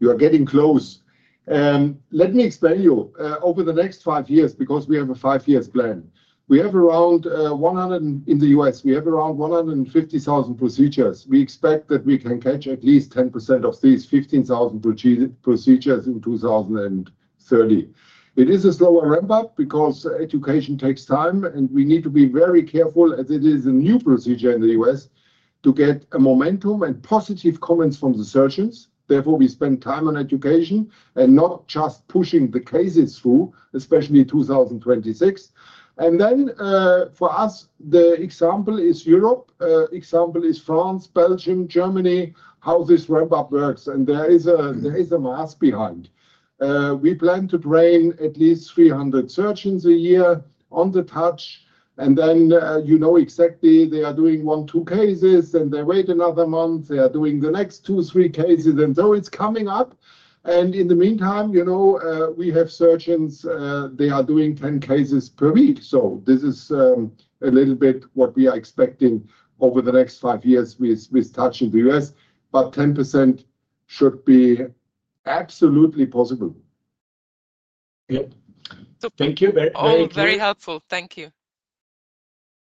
You are getting close. Let me explain to you. Over the next five years, because we have a five-year plan, we have around 100 in the U.S. We have around 150,000 procedures. We expect that we can catch at least 10% of these 15,000 procedures in 2030. It is a slower ramp-up because education takes time. We need to be very careful, as it is a new procedure in the U.S., to get momentum and positive comments from the surgeons. Therefore, we spend time on education and not just pushing the cases through, especially 2026. For us, the example is Europe. The example is France, Belgium, Germany, how this ramp-up works. There is a mask behind. We plan to train at least 300 surgeons a year on the Touch. You know exactly they are doing one, two cases, and they wait another month. They are doing the next two, three cases. It's coming up. In the meantime, you know we have surgeons. They are doing 10 cases per week. This is a little bit what we are expecting over the next five years with Touch in the U.S. 10% should be absolutely possible. Thank you. Very clear. Very helpful. Thank you.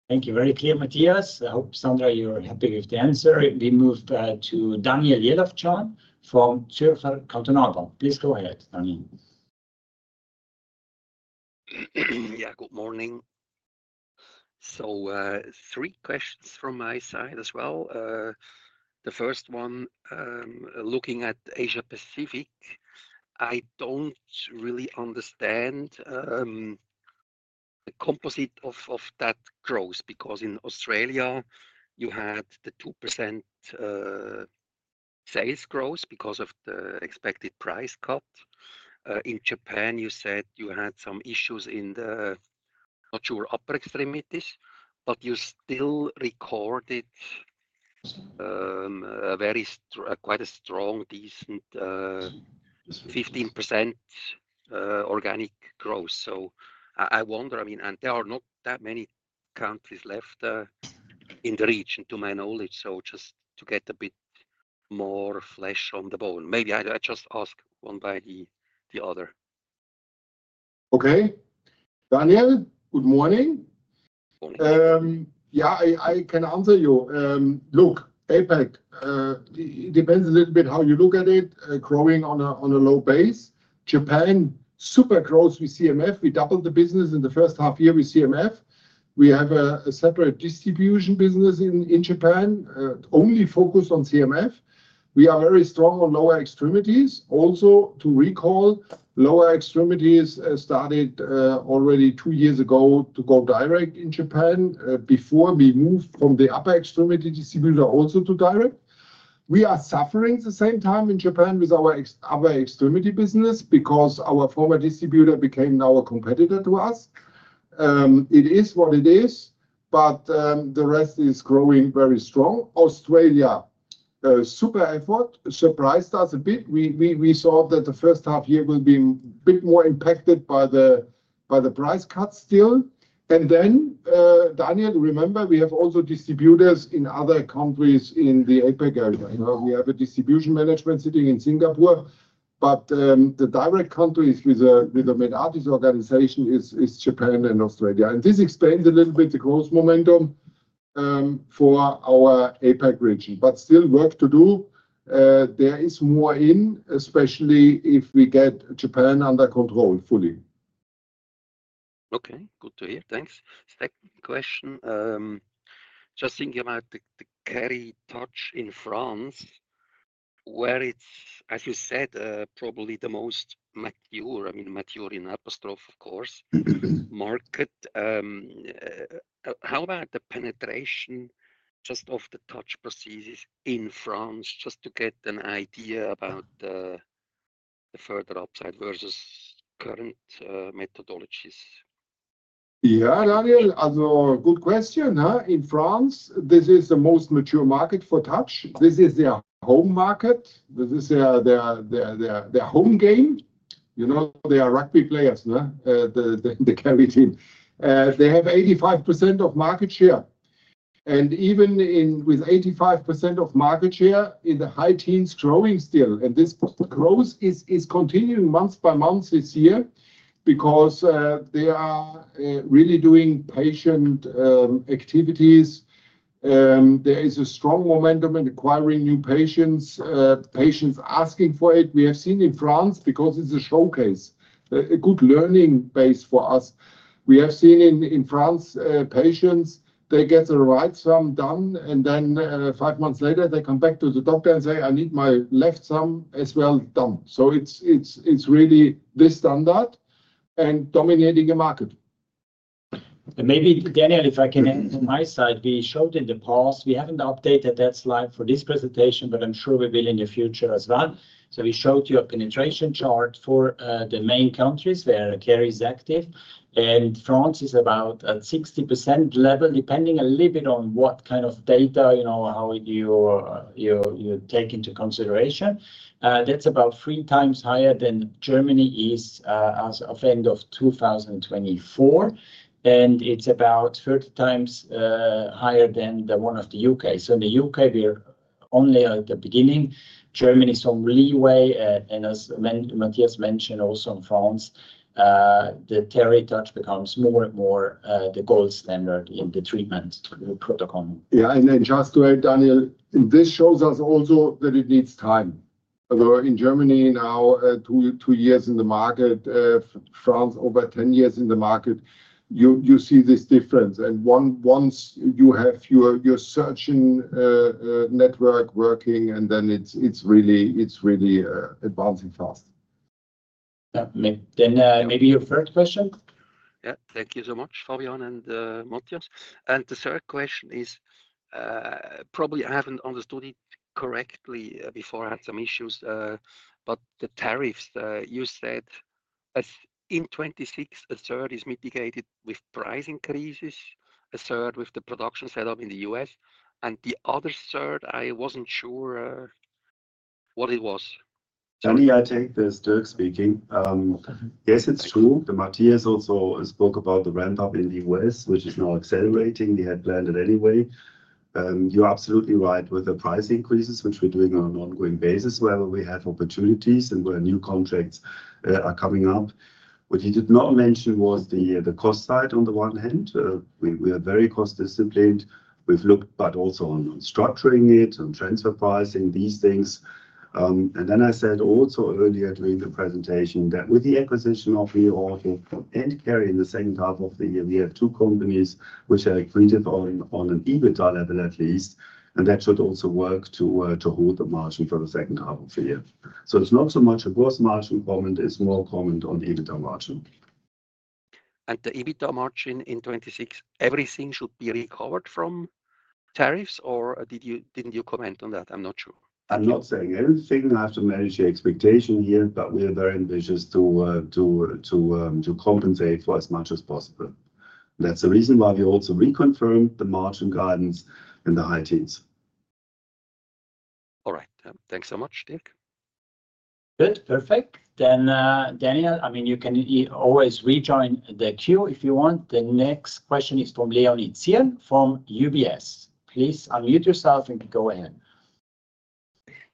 Thank you. Very clear, Matthias. I hope, Sandra, you're happy with the answer. We move to [Daniel Yelovchan from Tirfa Kaltennagen]. Please go ahead, Daniel. Good morning. Three questions from my side as well. The first one, looking at Asia Pacific, I don't really understand the composite of that growth because in Australia, you had the 2% sales growth because of the expected price cut. In Japan, you said you had some issues in the, not sure, upper extremities, but you still recorded quite a strong, decent 15% organic growth. I wonder, I mean, and there are not that many countries left in the region to my knowledge. Just to get a bit more flesh on the bone. Maybe I just ask one by the other. Okay. Daniel, good morning. Yeah, I can answer you. Look, APAC, it depends a little bit how you look at it, growing on a low base. Japan, super growth with CMF. We doubled the business in the first half year with CMF. We have a separate distribution business in Japan, only focused on CMF. We are very strong on lower extremities. Also, to recall, lower extremities started already two years ago to go direct in Japan before we moved from the upper extremity distributor also to direct. We are suffering at the same time in Japan with our upper extremity business because our former distributor became now a competitor to us. It is what it is, but the rest is growing very strong. Australia, a super effort, surprised us a bit. We saw that the first half year will be a bit more impacted by the price cuts still. Daniel, remember, we have also distributors in other countries in the APAC area. We have a distribution management city in Singapore, but the direct countries with the Medartis organization are Japan and Australia. This explains a little bit the growth momentum for our APAC region. Still work to do. There is more in, especially if we get Japan under control fully. Okay. Good to hear. Thanks. Second question. Just thinking about the Keri Touch in France, where it's, as you said, probably the most mature, I mean, mature in an apostrophe, of course, market. How about the penetration just of the Touch prosthesis in France, just to get an idea about the further upside versus current methodologies? Yeah, Daniel, good question. In France, this is the most mature market for Touch. This is their home market. This is their home game. You know, they are rugby players, the Keri team. They have 85% of market share. Even with 85% of market share, in the high teens growing still. This growth is continuing month by month this year because they are really doing patient activities. There is a strong momentum in acquiring new patients, patients asking for it. We have seen in France, because it's a showcase, a good learning base for us. We have seen in France patients, they get the right thumb done, and then five months later, they come back to the doctor and say, "I need my left thumb as well done." It's really this standard and dominating the market. Maybe, Daniel, if I can add from my side, we showed in the past, we haven't updated that slide for this presentation, but I'm sure we will in the future as well. We showed you a penetration chart for the main countries where Keri's active. France is about 60% level, depending a little bit on what kind of data, you know, how you take into consideration. That's about 3x higher than Germany is as of the end of 2024. It's about 30x higher than the one of the U.K. In the U.K., we are only at the beginning. Germany is on leeway. As Matthias mentioned, also in France, the Keri Touch becomes more and more the gold standard in the treatment protocol. Yeah, just to add, Daniel, this shows us also that it needs time. Although in Germany now, two years in the market, France over 10 years in the market, you see this difference. Once you have your surgeon network working, it's really advancing fast. Yeah, Daniel, maybe your third question. Yeah. Thank you so much, Fabian and Matthias. The third question is, probably I haven't understood it correctly before, I had some issues, but the tariffs, you said in 2026, a third is mitigated with price increases, a third with the production setup in the U.S., and the other third, I wasn't sure what it was. Let me take this, Dirk speaking. Yes, it's true. Matthias also spoke about the ramp-up in the U.S., which is now accelerating. We had planned it anyway. You're absolutely right with the price increases, which we're doing on an ongoing basis. However, we have opportunities and where new contracts are coming up. What he did not mention was the cost side on the one hand. We are very cost-disciplined. We've looked at also on structuring it, on transfer pricing, these things. I said also earlier during the presentation that with the acquisition of NEOORTHO and Keri in the second half of the year, we have two companies which are accredited on an EBITDA level at least. That should also work to hold the margin for the second half of the year. It's not so much a gross margin comment. It's more a comment on the EBITDA margin. The EBITDA margin in 2026, everything should be recovered from tariffs, or did you comment on that? I'm not sure. I'm not saying everything has to manage the expectation here, but we're very ambitious to compensate for as much as possible. That's the reason why we also reconfirmed the margin guidance in the high teens. All right. Thanks so much, Dirk. Dirk, perfect. Daniel, you can always rejoin the queue if you want. The next question is from Leonie Zirn from UBS. Please unmute yourself and go ahead.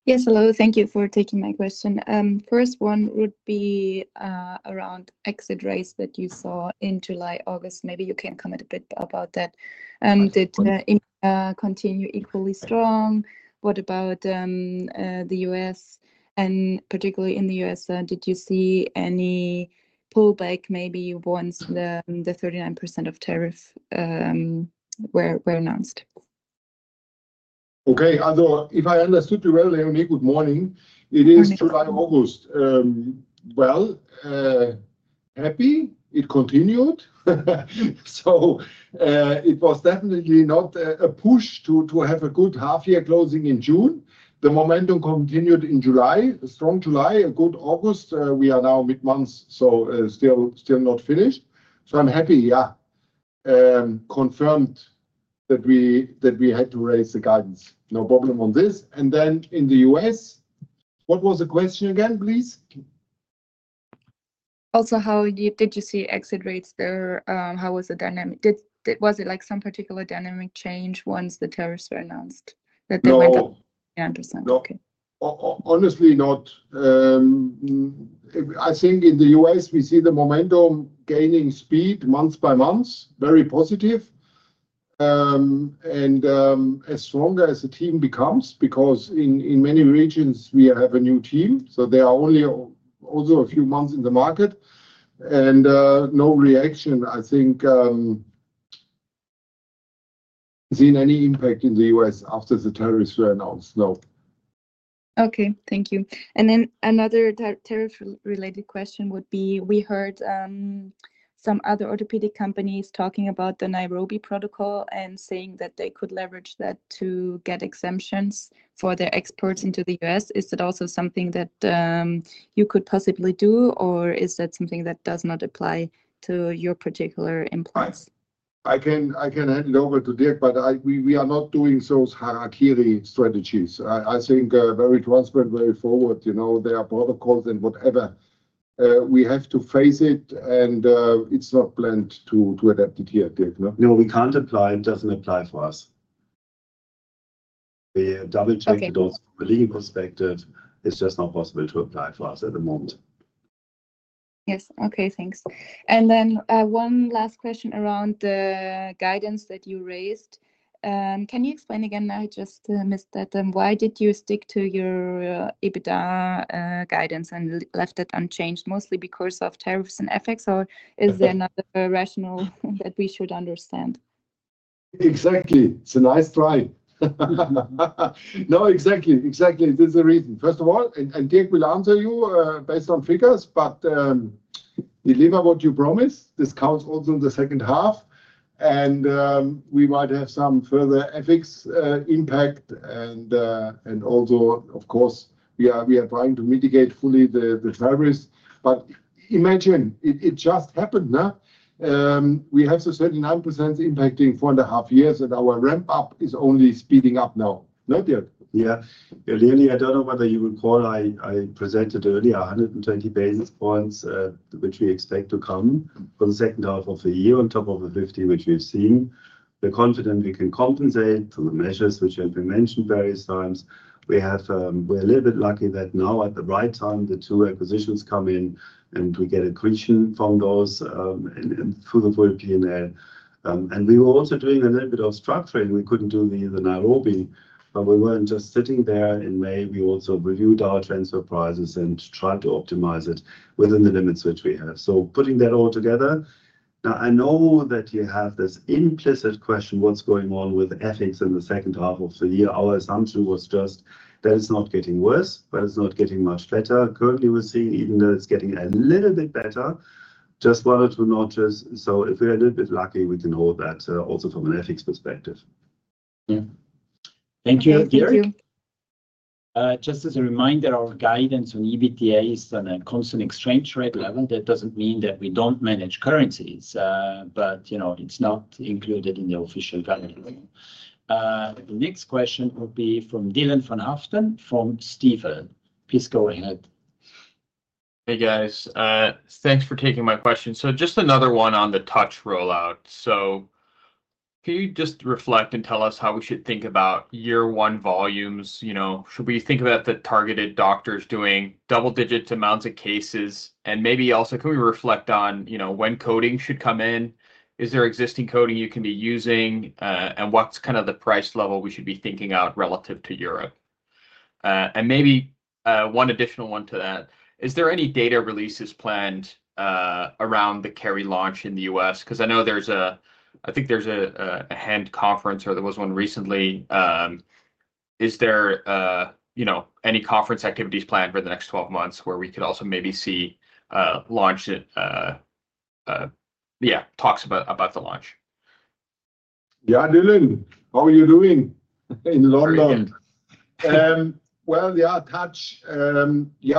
Yes, hello. Thank you for taking my question. First one would be around exit rates that you saw in July, August. Maybe you can comment a bit about that. Did [EMEA] continue equally strong? What about the U.S.? Particularly in the U.S., did you see any pullback maybe once the 39% of tariffs were announced? Okay. If I understood you well, Leonie, good morning. It is July or August. Happy it continued. It was definitely not a push to have a good half-year closing in June. The momentum continued in July, a strong July, a good August. We are now mid-month, still not finished. I'm happy, yeah. Confirmed that we had to raise the guidance. No problem on this. In the U.S., what was the question again, please? Also, how did you see exit rates there? How was the dynamic? Was it like some particular dynamic change once the tariffs were announced that they went up to 9%? No, honestly, not. I think in the U.S., we see the momentum gaining speed month by month, very positive. As stronger as a team becomes, because in many regions, we have a new team, there are only also a few months in the market. No reaction, I think, seen any impact in the U.S. after the tariffs were announced. No. Thank you. Another tariff-related question would be, we heard some other orthopedic companies talking about the Nairobi protocol and saying that they could leverage that to get exemptions for their exports into the U.S. Is that also something that you could possibly do, or is that something that does not apply to your particular employer? I can hand it over to Dirk, but we are not doing those hard-hitting strategies. I think very transparent, very forward. There are protocols and whatever. We have to face it, and it's not planned to adapt it here, Dirk. No, we can't apply. It doesn't apply for us. We double-checked it. Those legal perspectives, it's just not possible to apply for us at the moment. Yes. Okay. Thanks. One last question around the guidance that you raised. Can you explain again? I just missed that. Why did you stick to your EBITDA guidance and leave it unchanged? Mostly because of tariffs and FX, or is there another rationale that we should understand? Exactly. It's a nice rhyme. Exactly. There's a reason. First of all, and Dirk will answer you based on figures, but deliver what you promise. This counts also in the second half. We might have some further FX impact. Of course, we are trying to mitigate fully the tariffs. Imagine, it just happened. We have the 39% impact in four and a half years, and our ramp-up is only speeding up now. Yeah. Leonie, I don't know whether you recall I presented earlier 120 basis points, which we expect to come for the second half of the year on top of the lifting, which we've seen. We're confident we can compensate for the measures which have been mentioned various times. We're a little bit lucky that now at the right time, the two acquisitions come in, and we get accretion from those and through the full P&L. We were also doing a little bit of structuring. We couldn't do the Nairobi, but we weren't just sitting there in May. We also reviewed our transfer prices and tried to optimize it within the limits which we have. Putting that all together, now I know that you have this implicit question, what's going on with FX in the second half of the year? Our assumption was just that it's not getting worse, but it's not getting much better. Currently, we're seeing even though it's getting a little bit better, just one or two notches. If we're a little bit lucky, we can hold that also from an FX perspective. Yeah. Thank you, Dirk. Just as a reminder, our guidance on EBITDA is on a constant exchange rate level. That doesn't mean that we don't manage currencies, but you know it's not included in the official guideline. The next question would be from Dylan van Haaften from Stifel. Please go ahead. Hey guys, thanks for taking my question. Just another one on the Touch rollout. Can you reflect and tell us how we should think about year-one volumes? Should we think about the targeted doctors doing double-digit amounts of cases? Maybe also, can we reflect on when coding should come in? Is there existing coding you can be using? What's kind of the price level we should be thinking about relative to Europe? Maybe one additional one to that. Is there any data releases planned around the Keri launch in the U.S.? I know there's a, I think there's a hand conference or there was one recently. Is there any conference activities planned for the next 12 months where we could also maybe see launch it? Yeah, talks about the launch. Yeah, Dylan, how are you doing in London? Yeah, Touch, we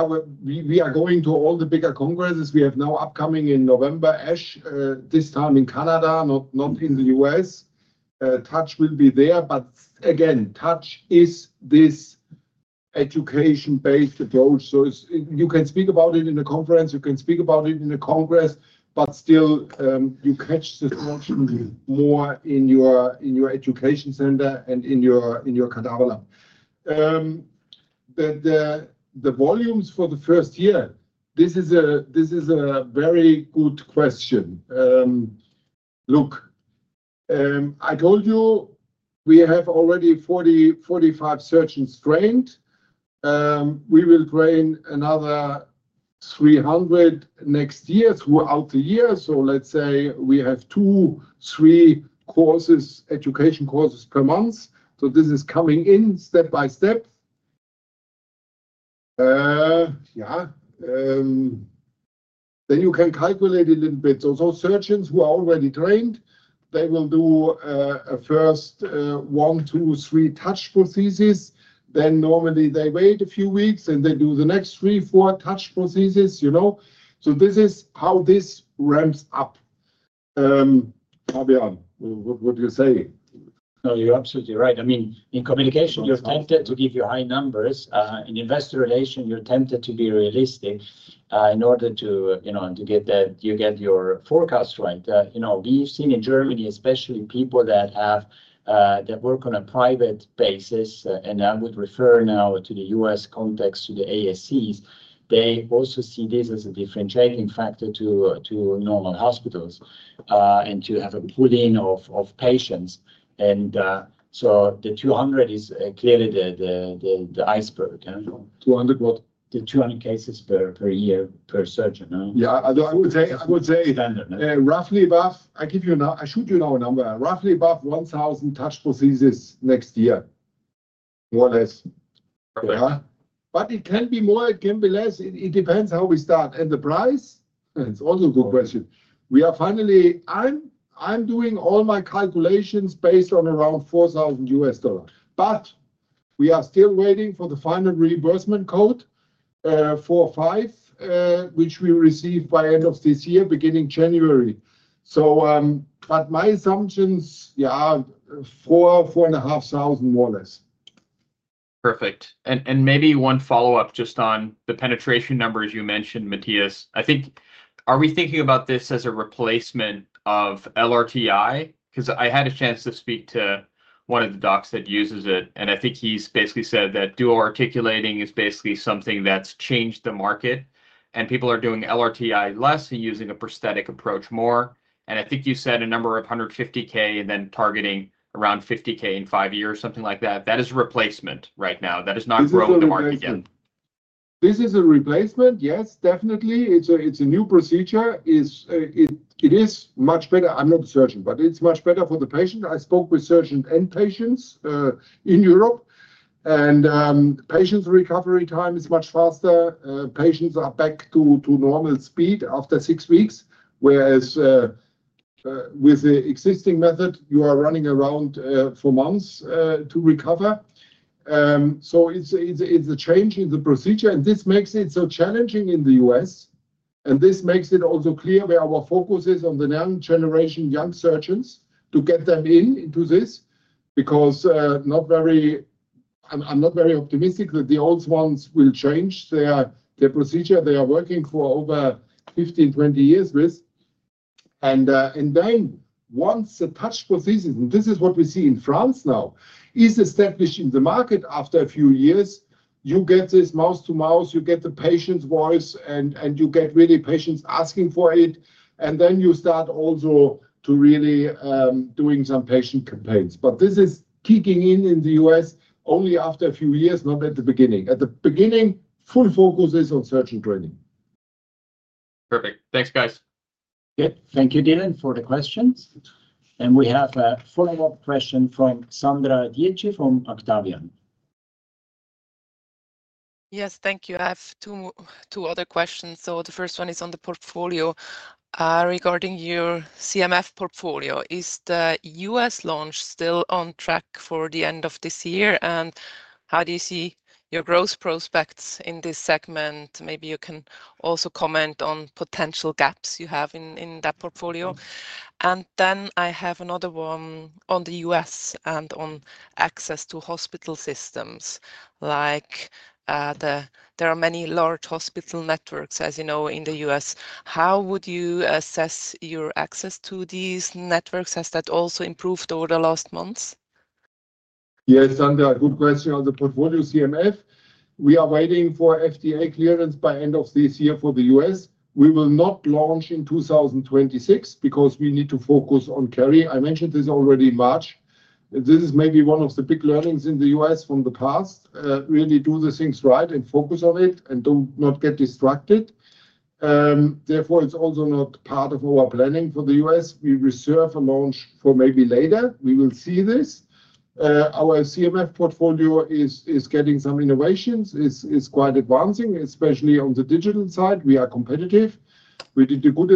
are going to all the bigger congresses. We have now upcoming in November, ASH, this time in Canada, not in the U.S. Touch will be there. Touch is this education-based approach. You can speak about it in the conference, you can speak about it in the congress, but still, you catch more in your education center and in your [catalogue]. The volumes for the first year, this is a very good question. Look, I told you we have already 40, 45 surgeons trained. We will train another 300 next year throughout the year. Let's say we have two, three courses, education courses per month. This is coming in step by step. You can calculate a little bit. Those are surgeons who are already trained. They will do a first one, two, three Touch prostheses. Normally they wait a few weeks, and they do the next three, four Touch prostheses. This is how this ramps up. Fabian, what do you say? No, you're absolutely right. I mean, in communication, you're tempted to give you high numbers. In investor relation, you're tempted to be realistic in order to, you know, get that you get your forecast right. We've seen in Germany, especially people that have that work on a private basis, and I would refer now to the U.S. context to the ASCs. They also see this as a differentiating factor to normal hospitals and to have a pooling of patients. The 200 is clearly the iceberg. 200 what? The 200 cases per year per surgeon. Yeah, although I would say it roughly above, I give you a number, I shoot you now a number, roughly about 1,000 Touch prostheses next year, more or less. Okay, it can be more, it can be less. It depends how we start. The price, it's also a good question. We are finally, I'm doing all my calculations based on around $4,000. We are still waiting for the final reimbursement code, four, five, which we will receive by the end of this year, beginning January. My assumptions, yeah, $4,000, $4,500, more or less. Perfect. Maybe one follow-up just on the penetration numbers you mentioned, Matthias. I think, are we thinking about this as a replacement of LRTI? I had a chance to speak to one of the docs that uses it, and I think he basically said that dual articulating is basically something that's changed the market, and people are doing LRTI less and using a prosthetic approach more. I think you said a number of 150,000 and then targeting around 50,000 in five years, something like that. That is a replacement right now. That is not growing the market. This is a replacement. Yes, definitely. It's a new procedure. It is much better, I'm not a surgeon, but it's much better for the patient. I spoke with surgeons end patients in Europe, and patients' recovery time is much faster. Patients are back to normal speed after six weeks, whereas with the existing method, you are running around for months to recover. It is a change in the procedure, and this makes it so challenging in the U.S. This makes it also clear where our focus is on the young generation, young surgeons, to get them into this because I'm not very optimistic that the old ones will change their procedure they are working for over 15, 20 years with. Once the touch position, and this is what we see in France now, is established in the market after a few years, you get this mouse-to-mouse, you get the patient's voice, and you get really patients asking for it. You start also to really doing some patient campaigns. This is kicking in in the U.S. only after a few years, not at the beginning. At the beginning, full focus is on surgeon training. Perfect. Thanks, guys. Thank you, Dylan, for the questions. We have a follow-up question from Sandra Dietschy from Octavian. Yes, thank you. I have two other questions. The first one is on the portfolio regarding your CMF portfolio. Is the U.S. launch still on track for the end of this year? How do you see your growth prospects in this segment? Maybe you can also comment on potential gaps you have in that portfolio. I have another one on the U.S. and on access to hospital systems. There are many large hospital networks, as you know, in the U.S. How would you assess your access to these networks? Has that also improved over the last months? Yes, Sandra, good question. On the portfolio CMF, we are waiting for FDA clearance by end of this year for the U.S. We will not launch in 2026 because we need to focus on Keri. I mentioned this already in March. This is maybe one of the big learnings in the U.S. from the past. Really do the things right and focus on it and do not get distracted. Therefore, it's also not part of our planning for the U.S. We reserve a launch for maybe later. We will see this. Our CMF portfolio is getting some innovations. It's quite advancing, especially on the digital side. We are competitive. We did the good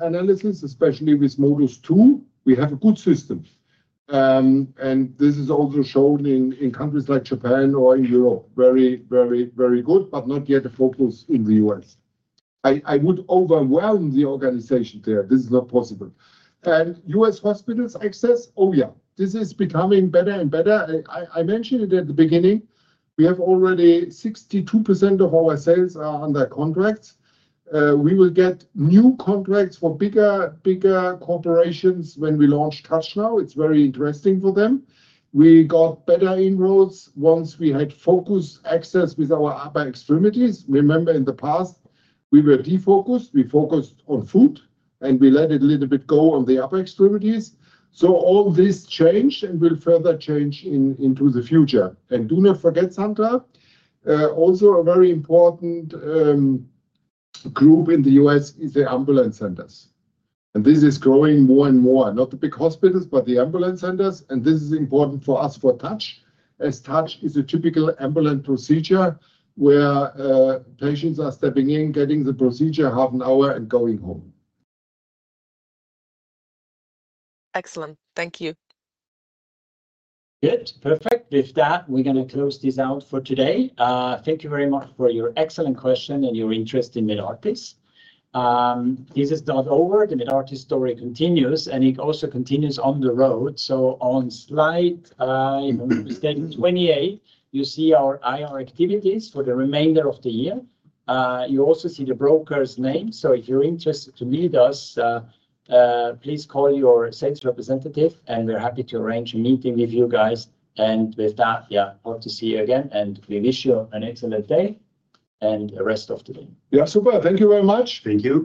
analysis, especially with MODUS 2. We have a good system. This is also shown in countries like Japan or in Europe. Very, very, very good, but not yet a focus in the U.S. I would overwhelm the organization there. This is not possible. U.S. hospitals access, oh yeah, this is becoming better and better. I mentioned it at the beginning. We have already 62% of our sales are under contracts. We will get new contracts from bigger, bigger corporations when we launch Touch now. It's very interesting for them. We got better inroads once we had focused access with our upper extremities. Remember in the past, we were defocused. We focused on foot, and we let it a little bit go on the upper extremities. All this changed and will further change into the future. Do not forget, Sandra, also a very important group in the U.S. is the ambulance centers. This is growing more and more. Not the big hospitals, but the ambulance centers. This is important for us for Touch, as Touch is a typical ambulant procedure where patients are stepping in, getting the procedure, half an hour, and going home. Excellent. Thank you. Perfect. With that, we're going to close this out for today. Thank you very much for your excellent question and your interest in Medartis. This is not over. The Medartis story continues, and it also continues on the road. On slide 28, you see our IR activities for the remainder of the year. You also see the broker's name. If you're interested to meet us, please call your sales representative, and we're happy to arrange a meeting with you guys. With that, hope to see you again, and we wish you an excellent day and the rest of the day. Yeah, super. Thank you very much. Thank you.